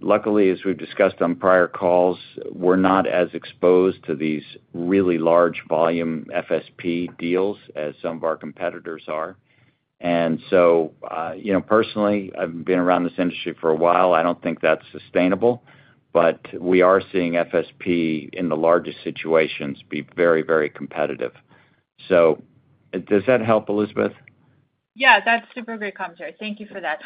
Luckily, as we've discussed on prior calls, we're not as exposed to these really large volume FSP deals as some of our competitors are. And so, you know, personally, I've been around this industry for a while, I don't think that's sustainable, but we are seeing FSP in the largest situations be very, very competitive. So does that help, Elizabeth? Yeah, that's super great commentary. Thank you for that.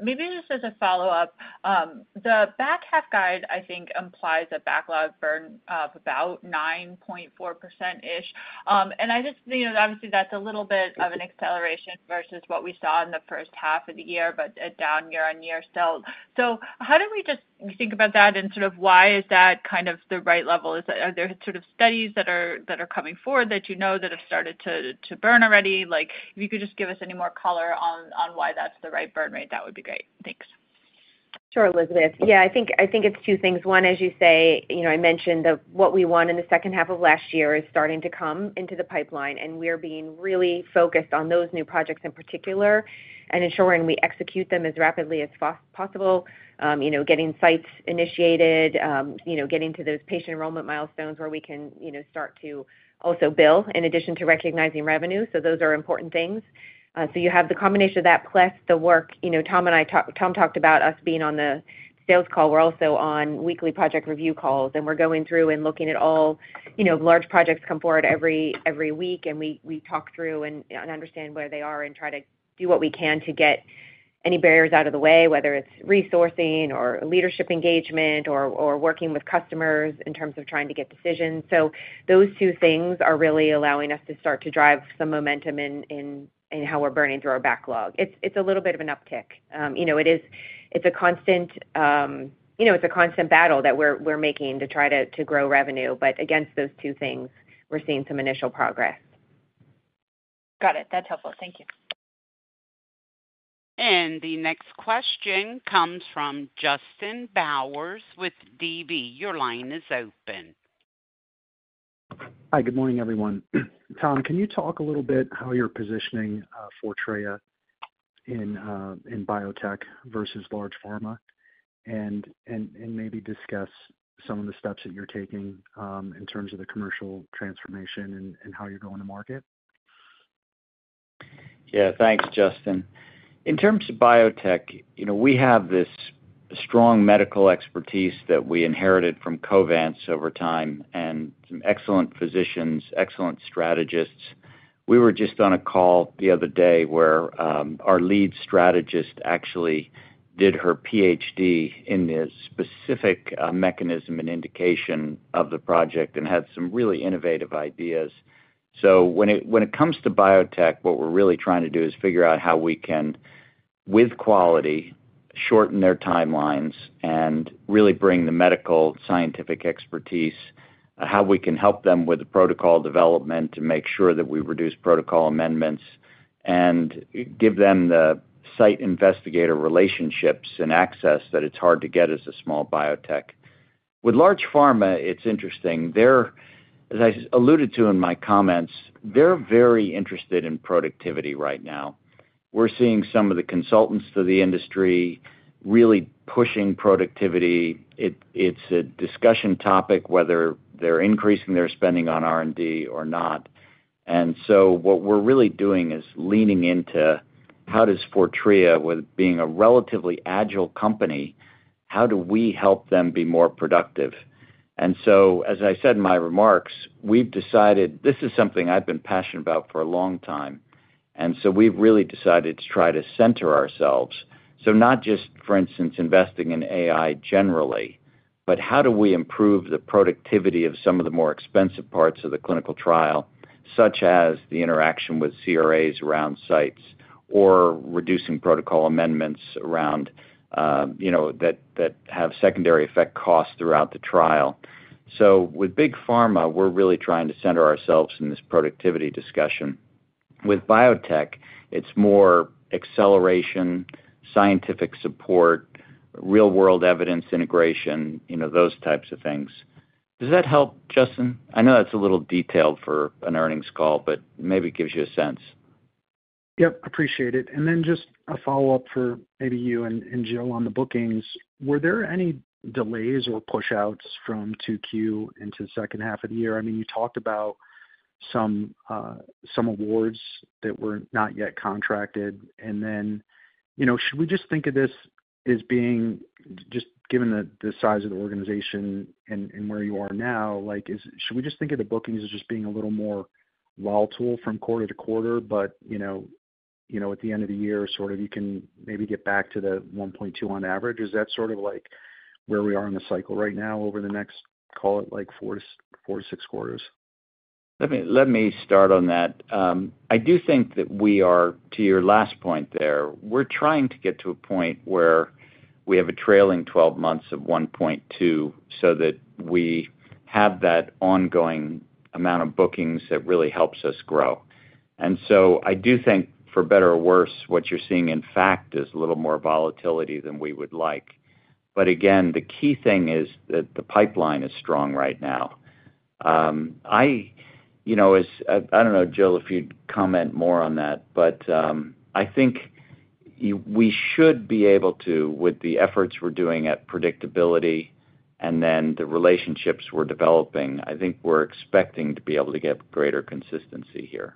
Maybe just as a follow-up, the back half guide, I think, implies a backlog burn of about 9.4%-ish. And I just, you know, obviously, that's a little bit of an acceleration versus what we saw in the first half of the year, but down year-over-year. So how do we just think about that and sort of why is that kind of the right level? Is that? Are there sort of studies that are coming forward that you know that have started to burn already? Like, if you could just give us any more color on why that's the right burn rate, that would be great. Thanks. Sure, Elizabeth. Yeah, I think, I think it's two things. One, as you say, you know, I mentioned that what we won in the second half of last year is starting to come into the pipeline, and we're being really focused on those new projects in particular and ensuring we execute them as rapidly as possible. You know, getting sites initiated, you know, getting to those patient enrollment milestones where we can, you know, start to also bill in addition to recognizing revenue. So those are important things. So you have the combination of that, plus the work. You know, Tom and I talked. Tom talked about us being on the sales call. We're also on weekly project review calls, and we're going through and looking at all... You know, large projects come forward every week, and we talk through and understand where they are and try to do what we can to get any barriers out of the way, whether it's resourcing or leadership engagement or working with customers in terms of trying to get decisions. So those two things are really allowing us to start to drive some momentum in how we're burning through our backlog. It's a little bit of an uptick. You know, it is, it's a constant, you know, it's a constant battle that we're making to try to grow revenue, but against those two things, we're seeing some initial progress. Got it. That's helpful. Thank you. The next question comes from Justin Bowers with DB. Your line is open. Hi, good morning, everyone. Tom, can you talk a little bit how you're positioning Fortrea in biotech versus large pharma? And maybe discuss some of the steps that you're taking in terms of the commercial transformation and how you're going to market. Yeah. Thanks, Justin. In terms of biotech, you know, we have this strong medical expertise that we inherited from Covance over time, and some excellent physicians, excellent strategists. We were just on a call the other day where our lead strategist actually did her Ph.D. in the specific mechanism and indication of the project and had some really innovative ideas. So when it, when it comes to biotech, what we're really trying to do is figure out how we can, with quality, shorten their timelines and really bring the medical scientific expertise, how we can help them with the protocol development to make sure that we reduce protocol amendments, and give them the site investigator relationships and access that it's hard to get as a small biotech. With large pharma, it's interesting, they're... As I alluded to in my comments, they're very interested in productivity right now. We're seeing some of the consultants to the industry really pushing productivity. It's a discussion topic, whether they're increasing their spending on R&D or not. And so what we're really doing is leaning into how does Fortrea, with being a relatively agile company, how do we help them be more productive? And so, as I said in my remarks, we've decided this is something I've been passionate about for a long time, and so we've really decided to try to center ourselves. So not just, for instance, investing in AI generally, but how do we improve the productivity of some of the more expensive parts of the clinical trial, such as the interaction with CRAs around sites or reducing protocol amendments around, you know, that have secondary effect costs throughout the trial. So with big pharma, we're really trying to center ourselves in this productivity discussion. With biotech, it's more acceleration, scientific support, real-world evidence, integration, you know, those types of things. Does that help, Justin? I know that's a little detailed for an earnings call, but maybe it gives you a sense. Yep, appreciate it. And then just a follow-up for maybe you and Jill on the bookings. Were there any delays or pushouts from 2Q into the second half of the year? I mean, you talked about some some awards that were not yet contracted. And then, you know, should we just think of this as being, just given the size of the organization and where you are now, like, should we just think of the bookings as just being a little more volatile from quarter to quarter, but, you know, you know, at the end of the year, sort of you can maybe get back to the 1.2 on average? Is that sort of like where we are in the cycle right now over the next, call it, like, four to six quarters? Let me start on that. I do think that we are, to your last point there, we're trying to get to a point where we have a trailing 12 months of 1.2, so that we have that ongoing amount of bookings that really helps us grow. And so I do think, for better or worse, what you're seeing, in fact, is a little more volatility than we would like. But again, the key thing is that the pipeline is strong right now. You know, I don't know, Jill, if you'd comment more on that, but I think we should be able to, with the efforts we're doing at predictability and then the relationships we're developing, I think we're expecting to be able to get greater consistency here.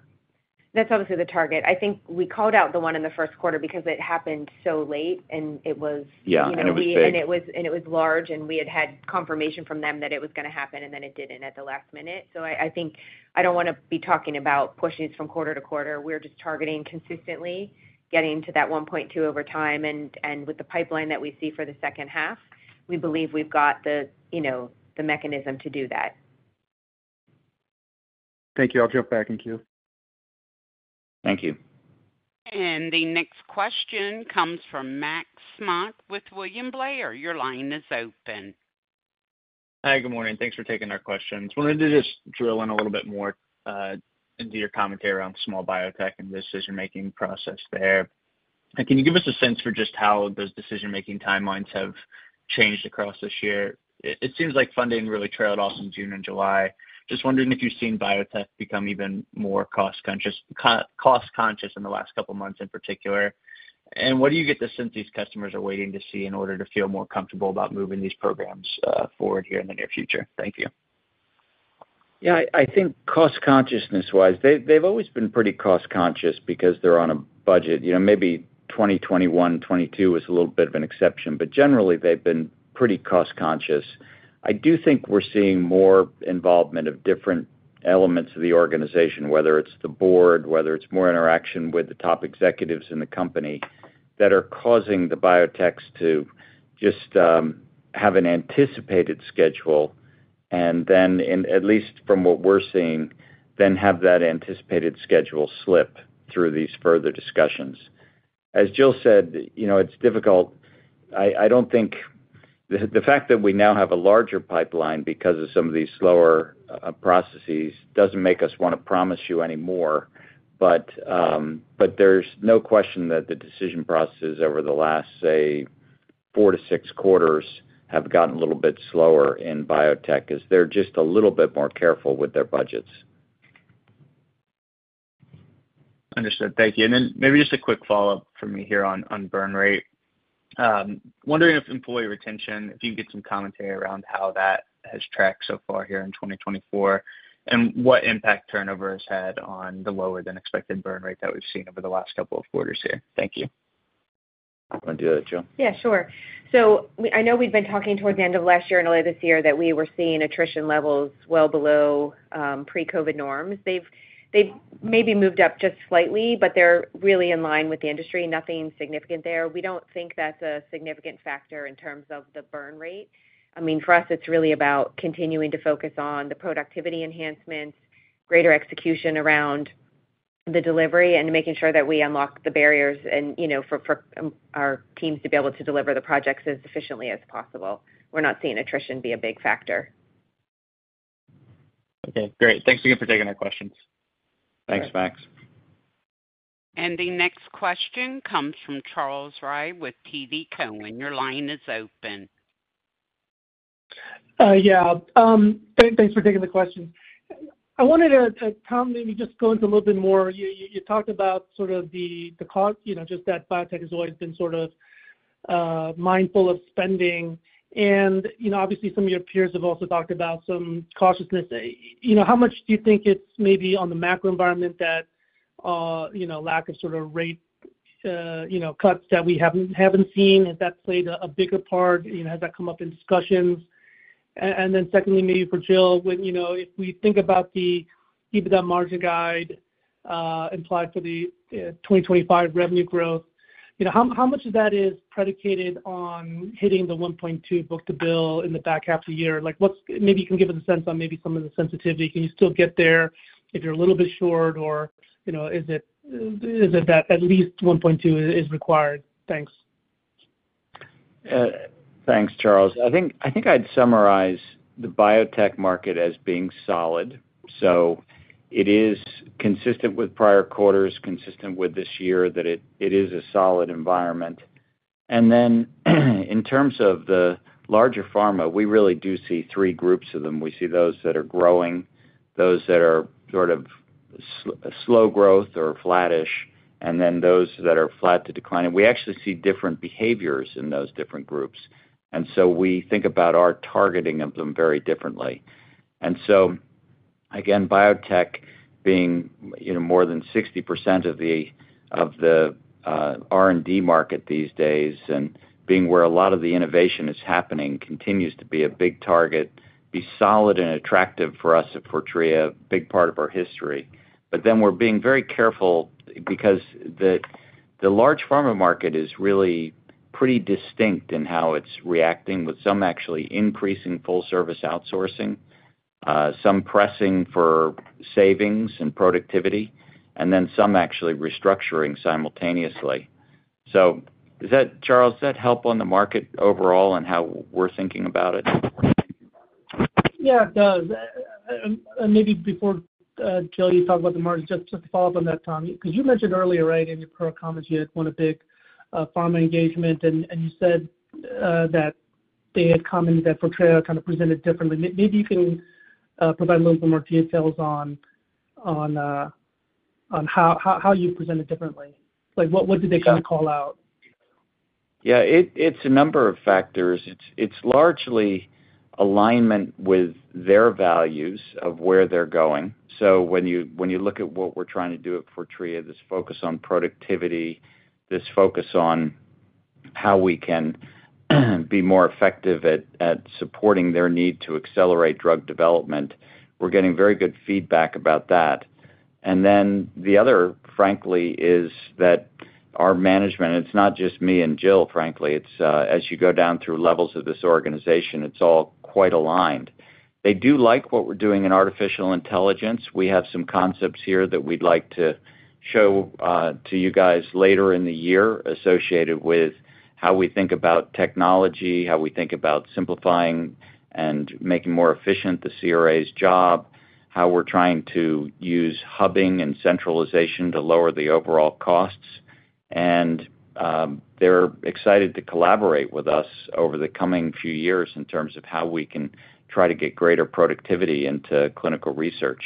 That's obviously the target. I think we called out the one in the first quarter because it happened so late, and it was- Yeah, and it was big. And it was, and it was large, and we had had confirmation from them that it was gonna happen, and then it didn't at the last minute. So I think I don't wanna be talking about pushing it from quarter to quarter. We're just targeting consistently, getting to that 1.2 over time, and with the pipeline that we see for the second half, we believe we've got the, you know, the mechanism to do that. Thank you. I'll jump back in queue. Thank you. The next question comes from Max Smock with William Blair. Your line is open. Hi, good morning. Thanks for taking our questions. Wanted to just drill in a little bit more into your commentary around small biotech and decision-making process there. And can you give us a sense for just how those decision-making timelines have changed across this year? It seems like funding really trailed off in June and July. Just wondering if you've seen biotech become even more cost-conscious in the last couple of months in particular. And what do you get the sense these customers are waiting to see in order to feel more comfortable about moving these programs forward here in the near future? Thank you. Yeah, I think cost-consciousness-wise, they've always been pretty cost-conscious because they're on a budget. You know, maybe 2021, 2022 was a little bit of an exception, but generally they've been pretty cost-conscious. I do think we're seeing more involvement of different elements of the organization, whether it's the board, whether it's more interaction with the top executives in the company, that are causing the biotechs to just have an anticipated schedule, and then, at least from what we're seeing, then have that anticipated schedule slip through these further discussions. As Jill said, you know, it's difficult. I don't think the fact that we now have a larger pipeline because of some of these slower processes doesn't make us wanna promise you any more. But, but there's no question that the decision processes over the last, say, four to six quarters, have gotten a little bit slower in biotech, as they're just a little bit more careful with their budgets. Understood. Thank you. And then maybe just a quick follow-up for me here on burn rate. Wondering if employee retention, if you can get some commentary around how that has tracked so far here in 2024, and what impact turnover has had on the lower than expected burn rate that we've seen over the last couple of quarters here. Thank you. Wanna do that, Jill? Yeah, sure. So I know we've been talking towards the end of last year and early this year that we were seeing attrition levels well below pre-COVID norms. They've maybe moved up just slightly, but they're really in line with the industry. Nothing significant there. We don't think that's a significant factor in terms of the burn rate. I mean, for us, it's really about continuing to focus on the productivity enhancements, greater execution around the delivery, and making sure that we unlock the barriers and, you know, for our teams to be able to deliver the projects as efficiently as possible. We're not seeing attrition be a big factor. Okay, great. Thanks again for taking our questions. Thanks, Max. The next question comes from Charles Rhyee with TD Cowen. Your line is open. Yeah, thanks for taking the question. I wanted to, Tom, maybe just go into a little bit more. You talked about sort of the cost, you know, just that biotech has always been sort of mindful of spending. And you know, obviously, some of your peers have also talked about some cautiousness. You know, how much do you think it's maybe on the macro environment that, you know, lack of sort of rate, you know, cuts that we haven't seen? Has that played a bigger part? You know, has that come up in discussions? And then secondly, maybe for Jill, when, you know, if we think about the EBITDA margin guide implied for the 2025 revenue growth, you know, how much of that is predicated on hitting the 1.2 book-to-bill in the back half of the year? Like, what's... Maybe you can give us a sense on maybe some of the sensitivity. Can you still get there if you're a little bit short or, you know, is it that at least 1.2 is required? Thanks.... Thanks, Charles. I think I'd summarize the biotech market as being solid. So it is consistent with prior quarters, consistent with this year, that it is a solid environment. And then in terms of the larger pharma, we really do see three groups of them. We see those that are growing, those that are sort of slow growth or flattish, and then those that are flat to declining. We actually see different behaviors in those different groups, and so we think about our targeting of them very differently. And so, again, biotech being, you know, more than 60% of the R&D market these days, and being where a lot of the innovation is happening, continues to be a big target, be solid and attractive for us at Fortrea, a big part of our history. But then we're being very careful because the large pharma market is really pretty distinct in how it's reacting, with some actually increasing full service outsourcing, some pressing for savings and productivity, and then some actually restructuring simultaneously. So does that, Charles, does that help on the market overall and how we're thinking about it? Yeah, it does. And maybe before Jill, you talk about the margin, just to follow up on that, Tom, because you mentioned earlier, right, in your prepared comments, you had won a big pharma engagement, and you said that they had commented that Fortrea kind of presented differently. Maybe you can provide a little bit more details on how you presented differently. Like, what did they kind of call out? Yeah, it's a number of factors. It's largely alignment with their values of where they're going. So when you look at what we're trying to do at Fortrea, this focus on productivity, this focus on how we can be more effective at supporting their need to accelerate drug development, we're getting very good feedback about that. And then the other, frankly, is that our management. It's not just me and Jill, frankly. It's as you go down through levels of this organization, it's all quite aligned. They do like what we're doing in artificial intelligence. We have some concepts here that we'd like to show to you guys later in the year, associated with how we think about technology, how we think about simplifying and making more efficient the CRA's job, how we're trying to use hubbing and centralization to lower the overall costs. They're excited to collaborate with us over the coming few years in terms of how we can try to get greater productivity into clinical research.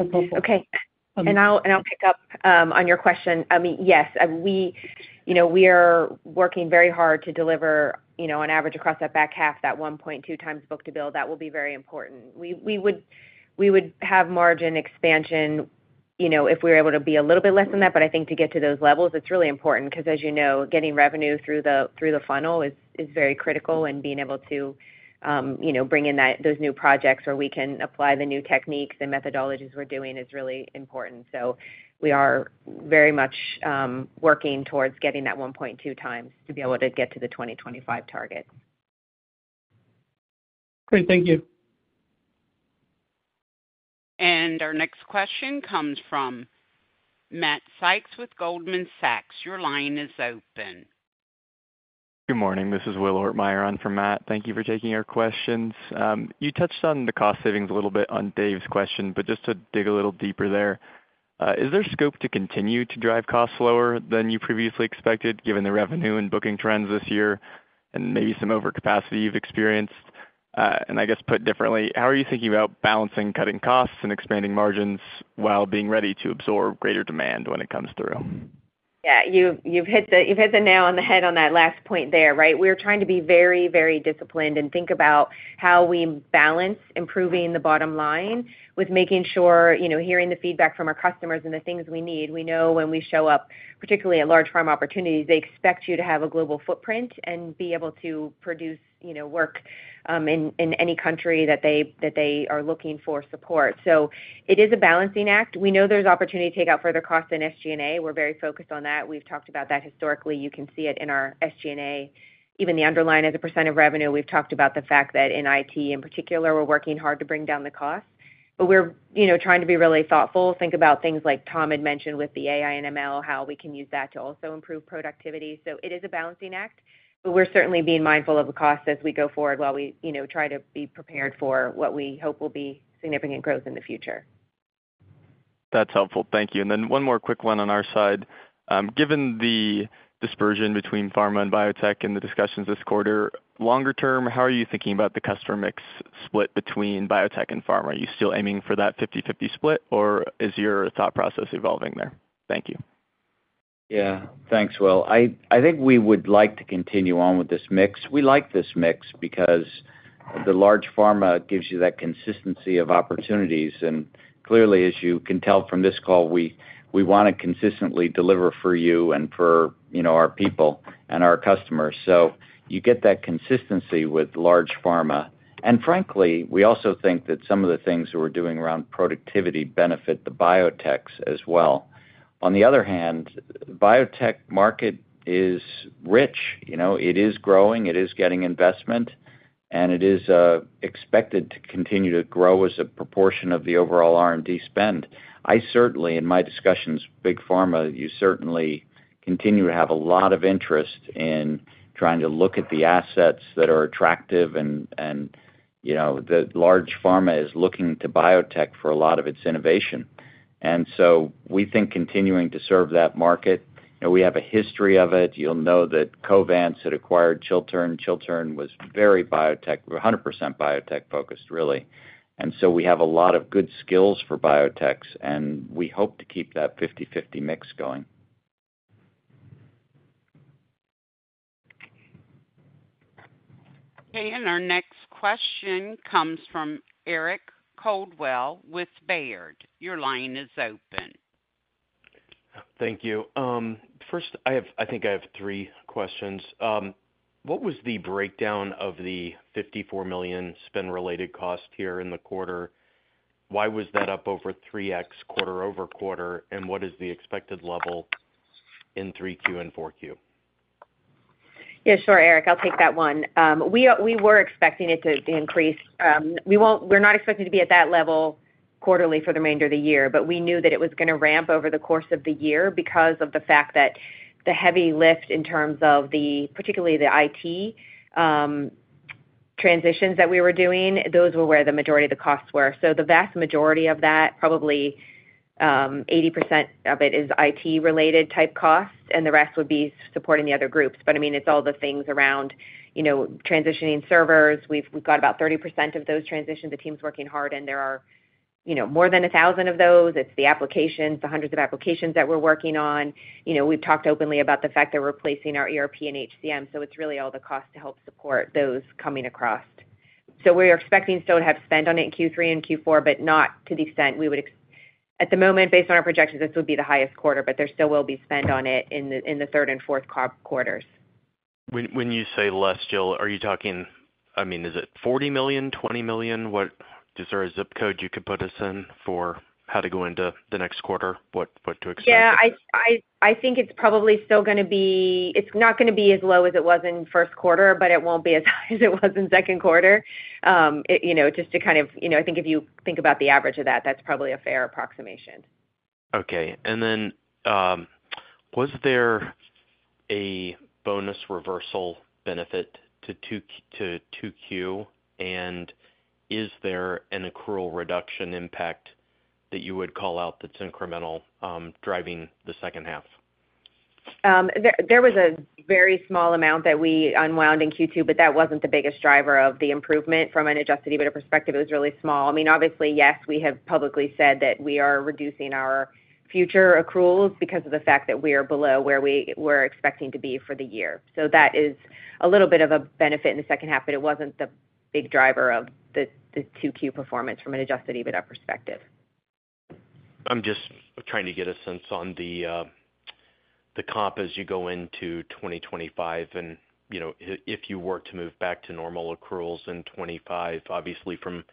Okay. And I'll pick up on your question. I mean, yes, I, we, you know, we are working very hard to deliver, you know, on average across that back half, that 1.2x book-to-bill. That will be very important. We would have margin expansion, you know, if we were able to be a little bit less than that, but I think to get to those levels, it's really important. Because as you know, getting revenue through the funnel is very critical, and being able to, you know, bring in those new projects where we can apply the new techniques and methodologies we're doing is really important. So we are very much working towards getting that 1.2x to be able to get to the 2025 target. Great. Thank you. Our next question comes from Matt Sykes with Goldman Sachs. Your line is open. Good morning. This is Will Ortmayer on for Matt. Thank you for taking our questions. You touched on the cost savings a little bit on Dave's question, but just to dig a little deeper there, is there scope to continue to drive costs lower than you previously expected, given the revenue and booking trends this year, and maybe some overcapacity you've experienced? And I guess put differently, how are you thinking about balancing cutting costs and expanding margins, while being ready to absorb greater demand when it comes through? Yeah, you've hit the nail on the head on that last point there, right? We're trying to be very, very disciplined and think about how we balance improving the bottom line with making sure, you know, hearing the feedback from our customers and the things we need. We know when we show up, particularly at large pharma opportunities, they expect you to have a global footprint and be able to produce, you know, work in any country that they are looking for support. So it is a balancing act. We know there's opportunity to take out further costs in SG&A. We're very focused on that. We've talked about that historically. You can see it in our SG&A, even the underlying as a % of revenue. We've talked about the fact that in IT, in particular, we're working hard to bring down the cost. But we're, you know, trying to be really thoughtful, think about things like Tom had mentioned with the AI and ML, how we can use that to also improve productivity. So it is a balancing act, but we're certainly being mindful of the cost as we go forward while we, you know, try to be prepared for what we hope will be significant growth in the future. That's helpful. Thank you. Then one more quick one on our side. Given the dispersion between pharma and biotech in the discussions this quarter, longer term, how are you thinking about the customer mix split between biotech and pharma? Are you still aiming for that 50/50 split, or is your thought process evolving there? Thank you. Yeah. Thanks, Will. I think we would like to continue on with this mix. We like this mix because the large pharma gives you that consistency of opportunities, and clearly, as you can tell from this call, we wanna consistently deliver for you and for, you know, our people and our customers. So you get that consistency with large pharma. And frankly, we also think that some of the things we're doing around productivity benefit the biotechs as well. On the other hand, biotech market is rich, you know. It is growing, it is getting investment, and it is expected to continue to grow as a proportion of the overall R&D spend. I certainly, in my discussions with big pharma, you certainly continue to have a lot of interest in trying to look at the assets that are attractive, and, you know, the large pharma is looking to biotech for a lot of its innovation. And so we think continuing to serve that market. You know, we have a history of it. You'll know that Covance had acquired Chiltern. Chiltern was very biotech, 100% biotech-focused, really. And so we have a lot of good skills for biotechs, and we hope to keep that 50/50 mix going. Okay, and our next question comes from Eric Coldwell with Baird. Your line is open. Thank you. First, I have—I think I have three questions. What was the breakdown of the $54 million spend-related cost here in the quarter? Why was that up over 3x quarter-over-quarter? And what is the expected level in 3Q and 4Q? Yeah, sure, Eric, I'll take that one. We were expecting it to increase. We won't. We're not expecting to be at that level quarterly for the remainder of the year, but we knew that it was gonna ramp over the course of the year because of the fact that the heavy lift in terms of the, particularly the IT, transitions that we were doing, those were where the majority of the costs were. So the vast majority of that, probably, 80% of it, is IT-related type costs, and the rest would be supporting the other groups. But, I mean, it's all the things around, you know, transitioning servers. We've got about 30% of those transitions. The team's working hard, and there are, you know, more than 1,000 of those. It's the applications, the hundreds of applications that we're working on. You know, we've talked openly about the fact that we're replacing our ERP and HCM, so it's really all the costs to help support those coming across. So we're expecting still to have spend on it in Q3 and Q4, but not to the extent we would at the moment, based on our projections, this would be the highest quarter, but there still will be spend on it in the third and fourth quarters. When, when you say less, Jill, are you talking... I mean, is it $40 million, $20 million? What, is there a zip code you could put us in for how to go into the next quarter? What, what to expect? Yeah, I think it's probably still gonna be... It's not gonna be as low as it was in first quarter, but it won't be as high as it was in second quarter. You know, just to kind of, you know, I think if you think about the average of that, that's probably a fair approximation. Okay. And then, was there a bonus reversal benefit to 2Q? And is there an accrual reduction impact that you would call out that's incremental, driving the second half? There was a very small amount that we unwound in Q2, but that wasn't the biggest driver of the improvement from an Adjusted EBITDA perspective. It was really small. I mean, obviously, yes, we have publicly said that we are reducing our future accruals because of the fact that we are below where we were expecting to be for the year. So that is a little bit of a benefit in the second half, but it wasn't the big driver of the 2Q performance from an Adjusted EBITDA perspective. I'm just trying to get a sense on the, the comp as you go into 2025, and, you know, if you were to move back to normal accruals in 2025, obviously from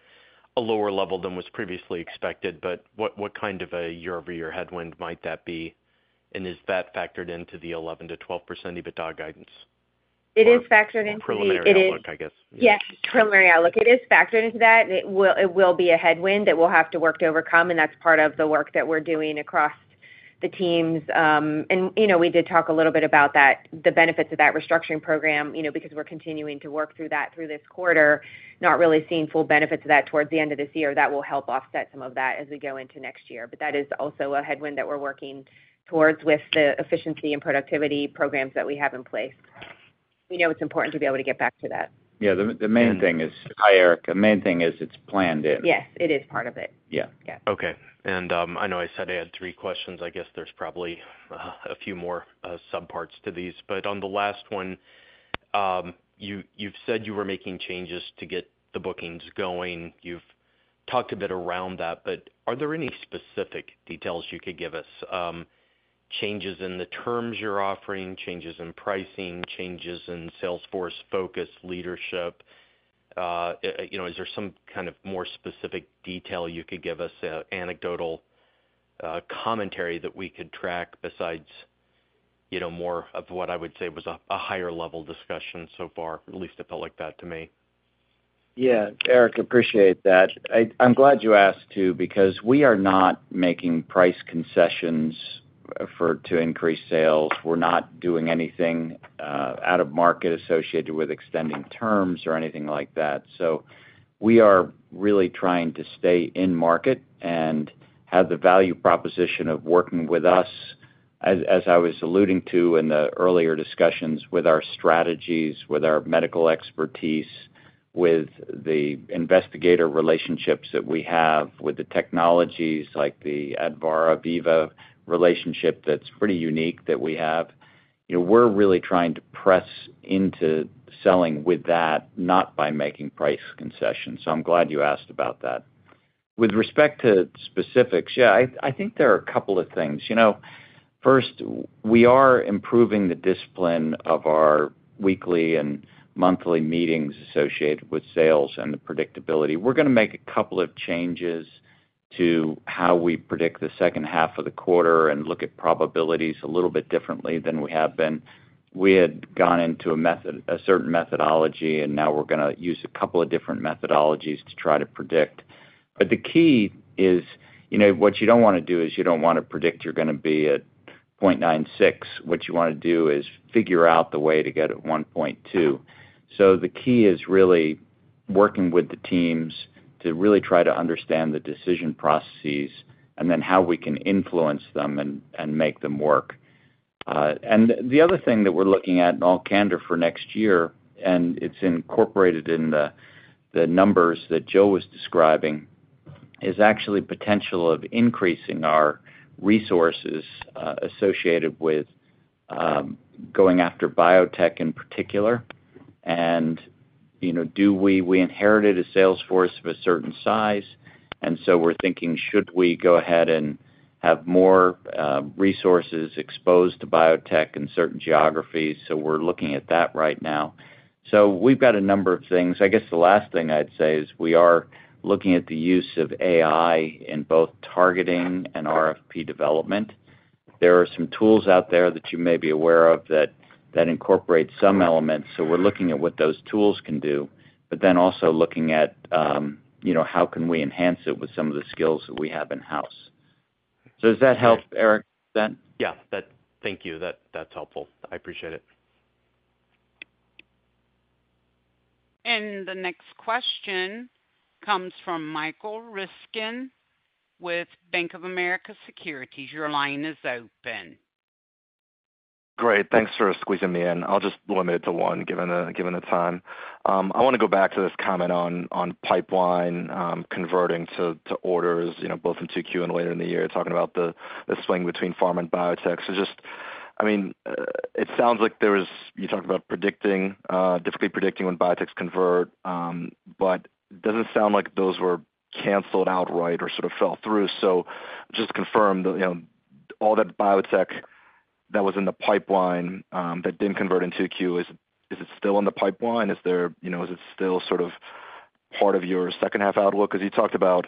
a lower level than was previously expected, but what, what kind of a year-over-year headwind might that be? And is that factored into the 11%-12% EBITDA guidance? It is factored into the- Or preliminary outlook, I guess. Yes, preliminary outlook. It is factored into that. It will, it will be a headwind that we'll have to work to overcome, and that's part of the work that we're doing across the teams. And, you know, we did talk a little bit about that, the benefits of that restructuring program, you know, because we're continuing to work through that through this quarter, not really seeing full benefits of that towards the end of this year. That will help offset some of that as we go into next year. But that is also a headwind that we're working towards with the efficiency and productivity programs that we have in place. We know it's important to be able to get back to that. Yeah, the main thing is- Mm-hmm. Hi, Eric. The main thing is it's planned in. Yes, it is part of it. Yeah. Yeah. Okay. And, I know I said I had three questions. I guess there's probably a few more subparts to these. But on the last one, you, you've said you were making changes to get the bookings going. You've talked a bit around that, but are there any specific details you could give us? Changes in the terms you're offering, changes in pricing, changes in sales force focus, leadership? You know, is there some kind of more specific detail you could give us, anecdotal commentary that we could track besides, you know, more of what I would say was a higher-level discussion so far? At least it felt like that to me. Yeah, Eric, appreciate that. I'm glad you asked, too, because we are not making price concessions for to increase sales. We're not doing anything out of market associated with extending terms or anything like that. So we are really trying to stay in market and have the value proposition of working with us, as I was alluding to in the earlier discussions, with our strategies, with our medical expertise, with the investigator relationships that we have, with the technologies like the Advarra Veeva relationship that's pretty unique that we have. You know, we're really trying to press into selling with that, not by making price concessions, so I'm glad you asked about that. With respect to specifics, yeah, I think there are a couple of things. You know, first, we are improving the discipline of our weekly and monthly meetings associated with sales and the predictability. We're gonna make a couple of changes to how we predict the second half of the quarter and look at probabilities a little bit differently than we have been. We had gone into a certain methodology, and now we're gonna use a couple of different methodologies to try to predict. But the key is, you know, what you don't wanna do is you don't wanna predict you're gonna be at 0.96. What you wanna do is figure out the way to get at 1.2. So the key is really working with the teams to really try to understand the decision processes and then how we can influence them and make them work. And the other thing that we're looking at, in all candor, for next year, and it's incorporated in the numbers that Jill was describing, is actually potential of increasing our resources, associated with, going after biotech in particular. And, you know, we inherited a sales force of a certain size, and so we're thinking, should we go ahead and have more, resources exposed to biotech in certain geographies? So we're looking at that right now. So we've got a number of things. I guess the last thing I'd say is we are looking at the use of AI in both targeting and RFP development. There are some tools out there that you may be aware of that incorporate some elements, so we're looking at what those tools can do, but then also looking at, you know, how can we enhance it with some of the skills that we have in-house. So does that help, Eric, then? Yeah. Thank you. That's helpful. I appreciate it. The next question comes from Michael Ryskin with Bank of America Securities. Your line is open. Great. Thanks for squeezing me in. I'll just limit it to one, given the, given the time. I wanna go back to this comment on, on pipeline, converting to, to orders, you know, both in Q2 and later in the year, talking about the, the swing between pharma and biotech. So just... I mean, it sounds like there was-- you talked about predicting, difficulty predicting when biotechs convert, but it doesn't sound like those were canceled outright or sort of fell through. So just to confirm, that, you know, all that biotech that was in the pipeline, that didn't convert in Q2, is, is it still in the pipeline? Is there, you know, is it still sort of part of your second half outlook? 'Cause you talked about,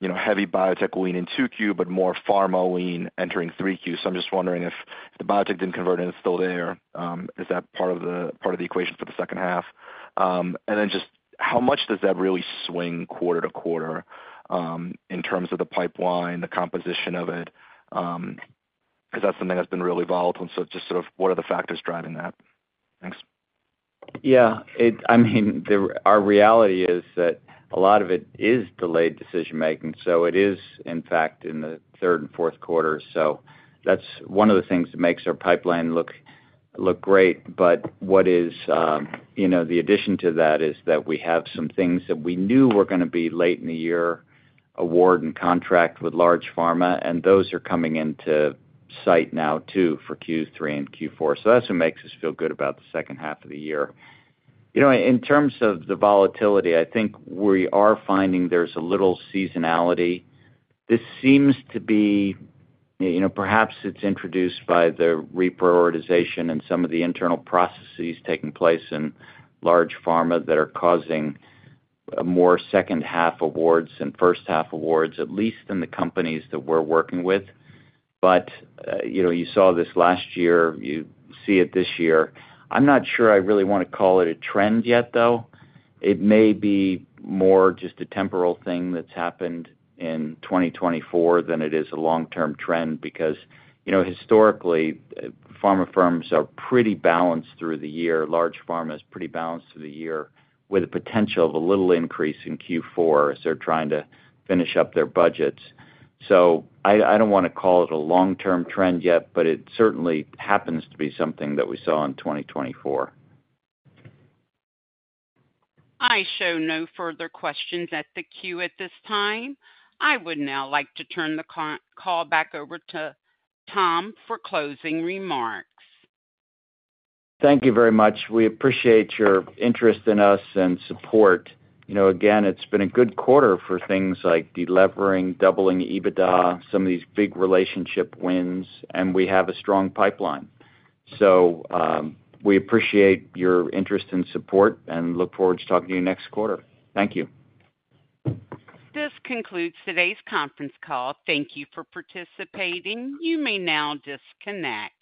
you know, heavy biotech lean in Q2, but more pharma lean entering Q3. So I'm just wondering if the biotech didn't convert and it's still there, is that part of the, part of the equation for the second half? And then just how much does that really swing quarter to quarter, in terms of the pipeline, the composition of it? 'Cause that's something that's been really volatile, and so just sort of what are the factors driving that? Thanks. Yeah, I mean, our reality is that a lot of it is delayed decision-making, so it is, in fact, in the third and fourth quarter. So that's one of the things that makes our pipeline look great. But what is, you know, the addition to that, is that we have some things that we knew were gonna be late in the year, award and contract with large pharma, and those are coming into sight now, too, for Q3 and Q4. So that's what makes us feel good about the second half of the year. You know, in terms of the volatility, I think we are finding there's a little seasonality. This seems to be, you know, perhaps it's introduced by the reprioritization and some of the internal processes taking place in large pharma that are causing more second half awards than first half awards, at least in the companies that we're working with. But, you know, you saw this last year, you see it this year. I'm not sure I really wanna call it a trend yet, though. It may be more just a temporal thing that's happened in 2024 than it is a long-term trend, because, you know, historically, pharma firms are pretty balanced through the year. Large pharma is pretty balanced through the year, with the potential of a little increase in Q4 as they're trying to finish up their budgets. So I don't wanna call it a long-term trend yet, but it certainly happens to be something that we saw in 2024. I show no further questions in the queue at this time. I would now like to turn the call back over to Tom for closing remarks. Thank you very much. We appreciate your interest in us and support. You know, again, it's been a good quarter for things like delevering, doubling EBITDA, some of these big relationship wins, and we have a strong pipeline. So, we appreciate your interest and support, and look forward to talking to you next quarter. Thank you. This concludes today's conference call. Thank you for participating. You may now disconnect.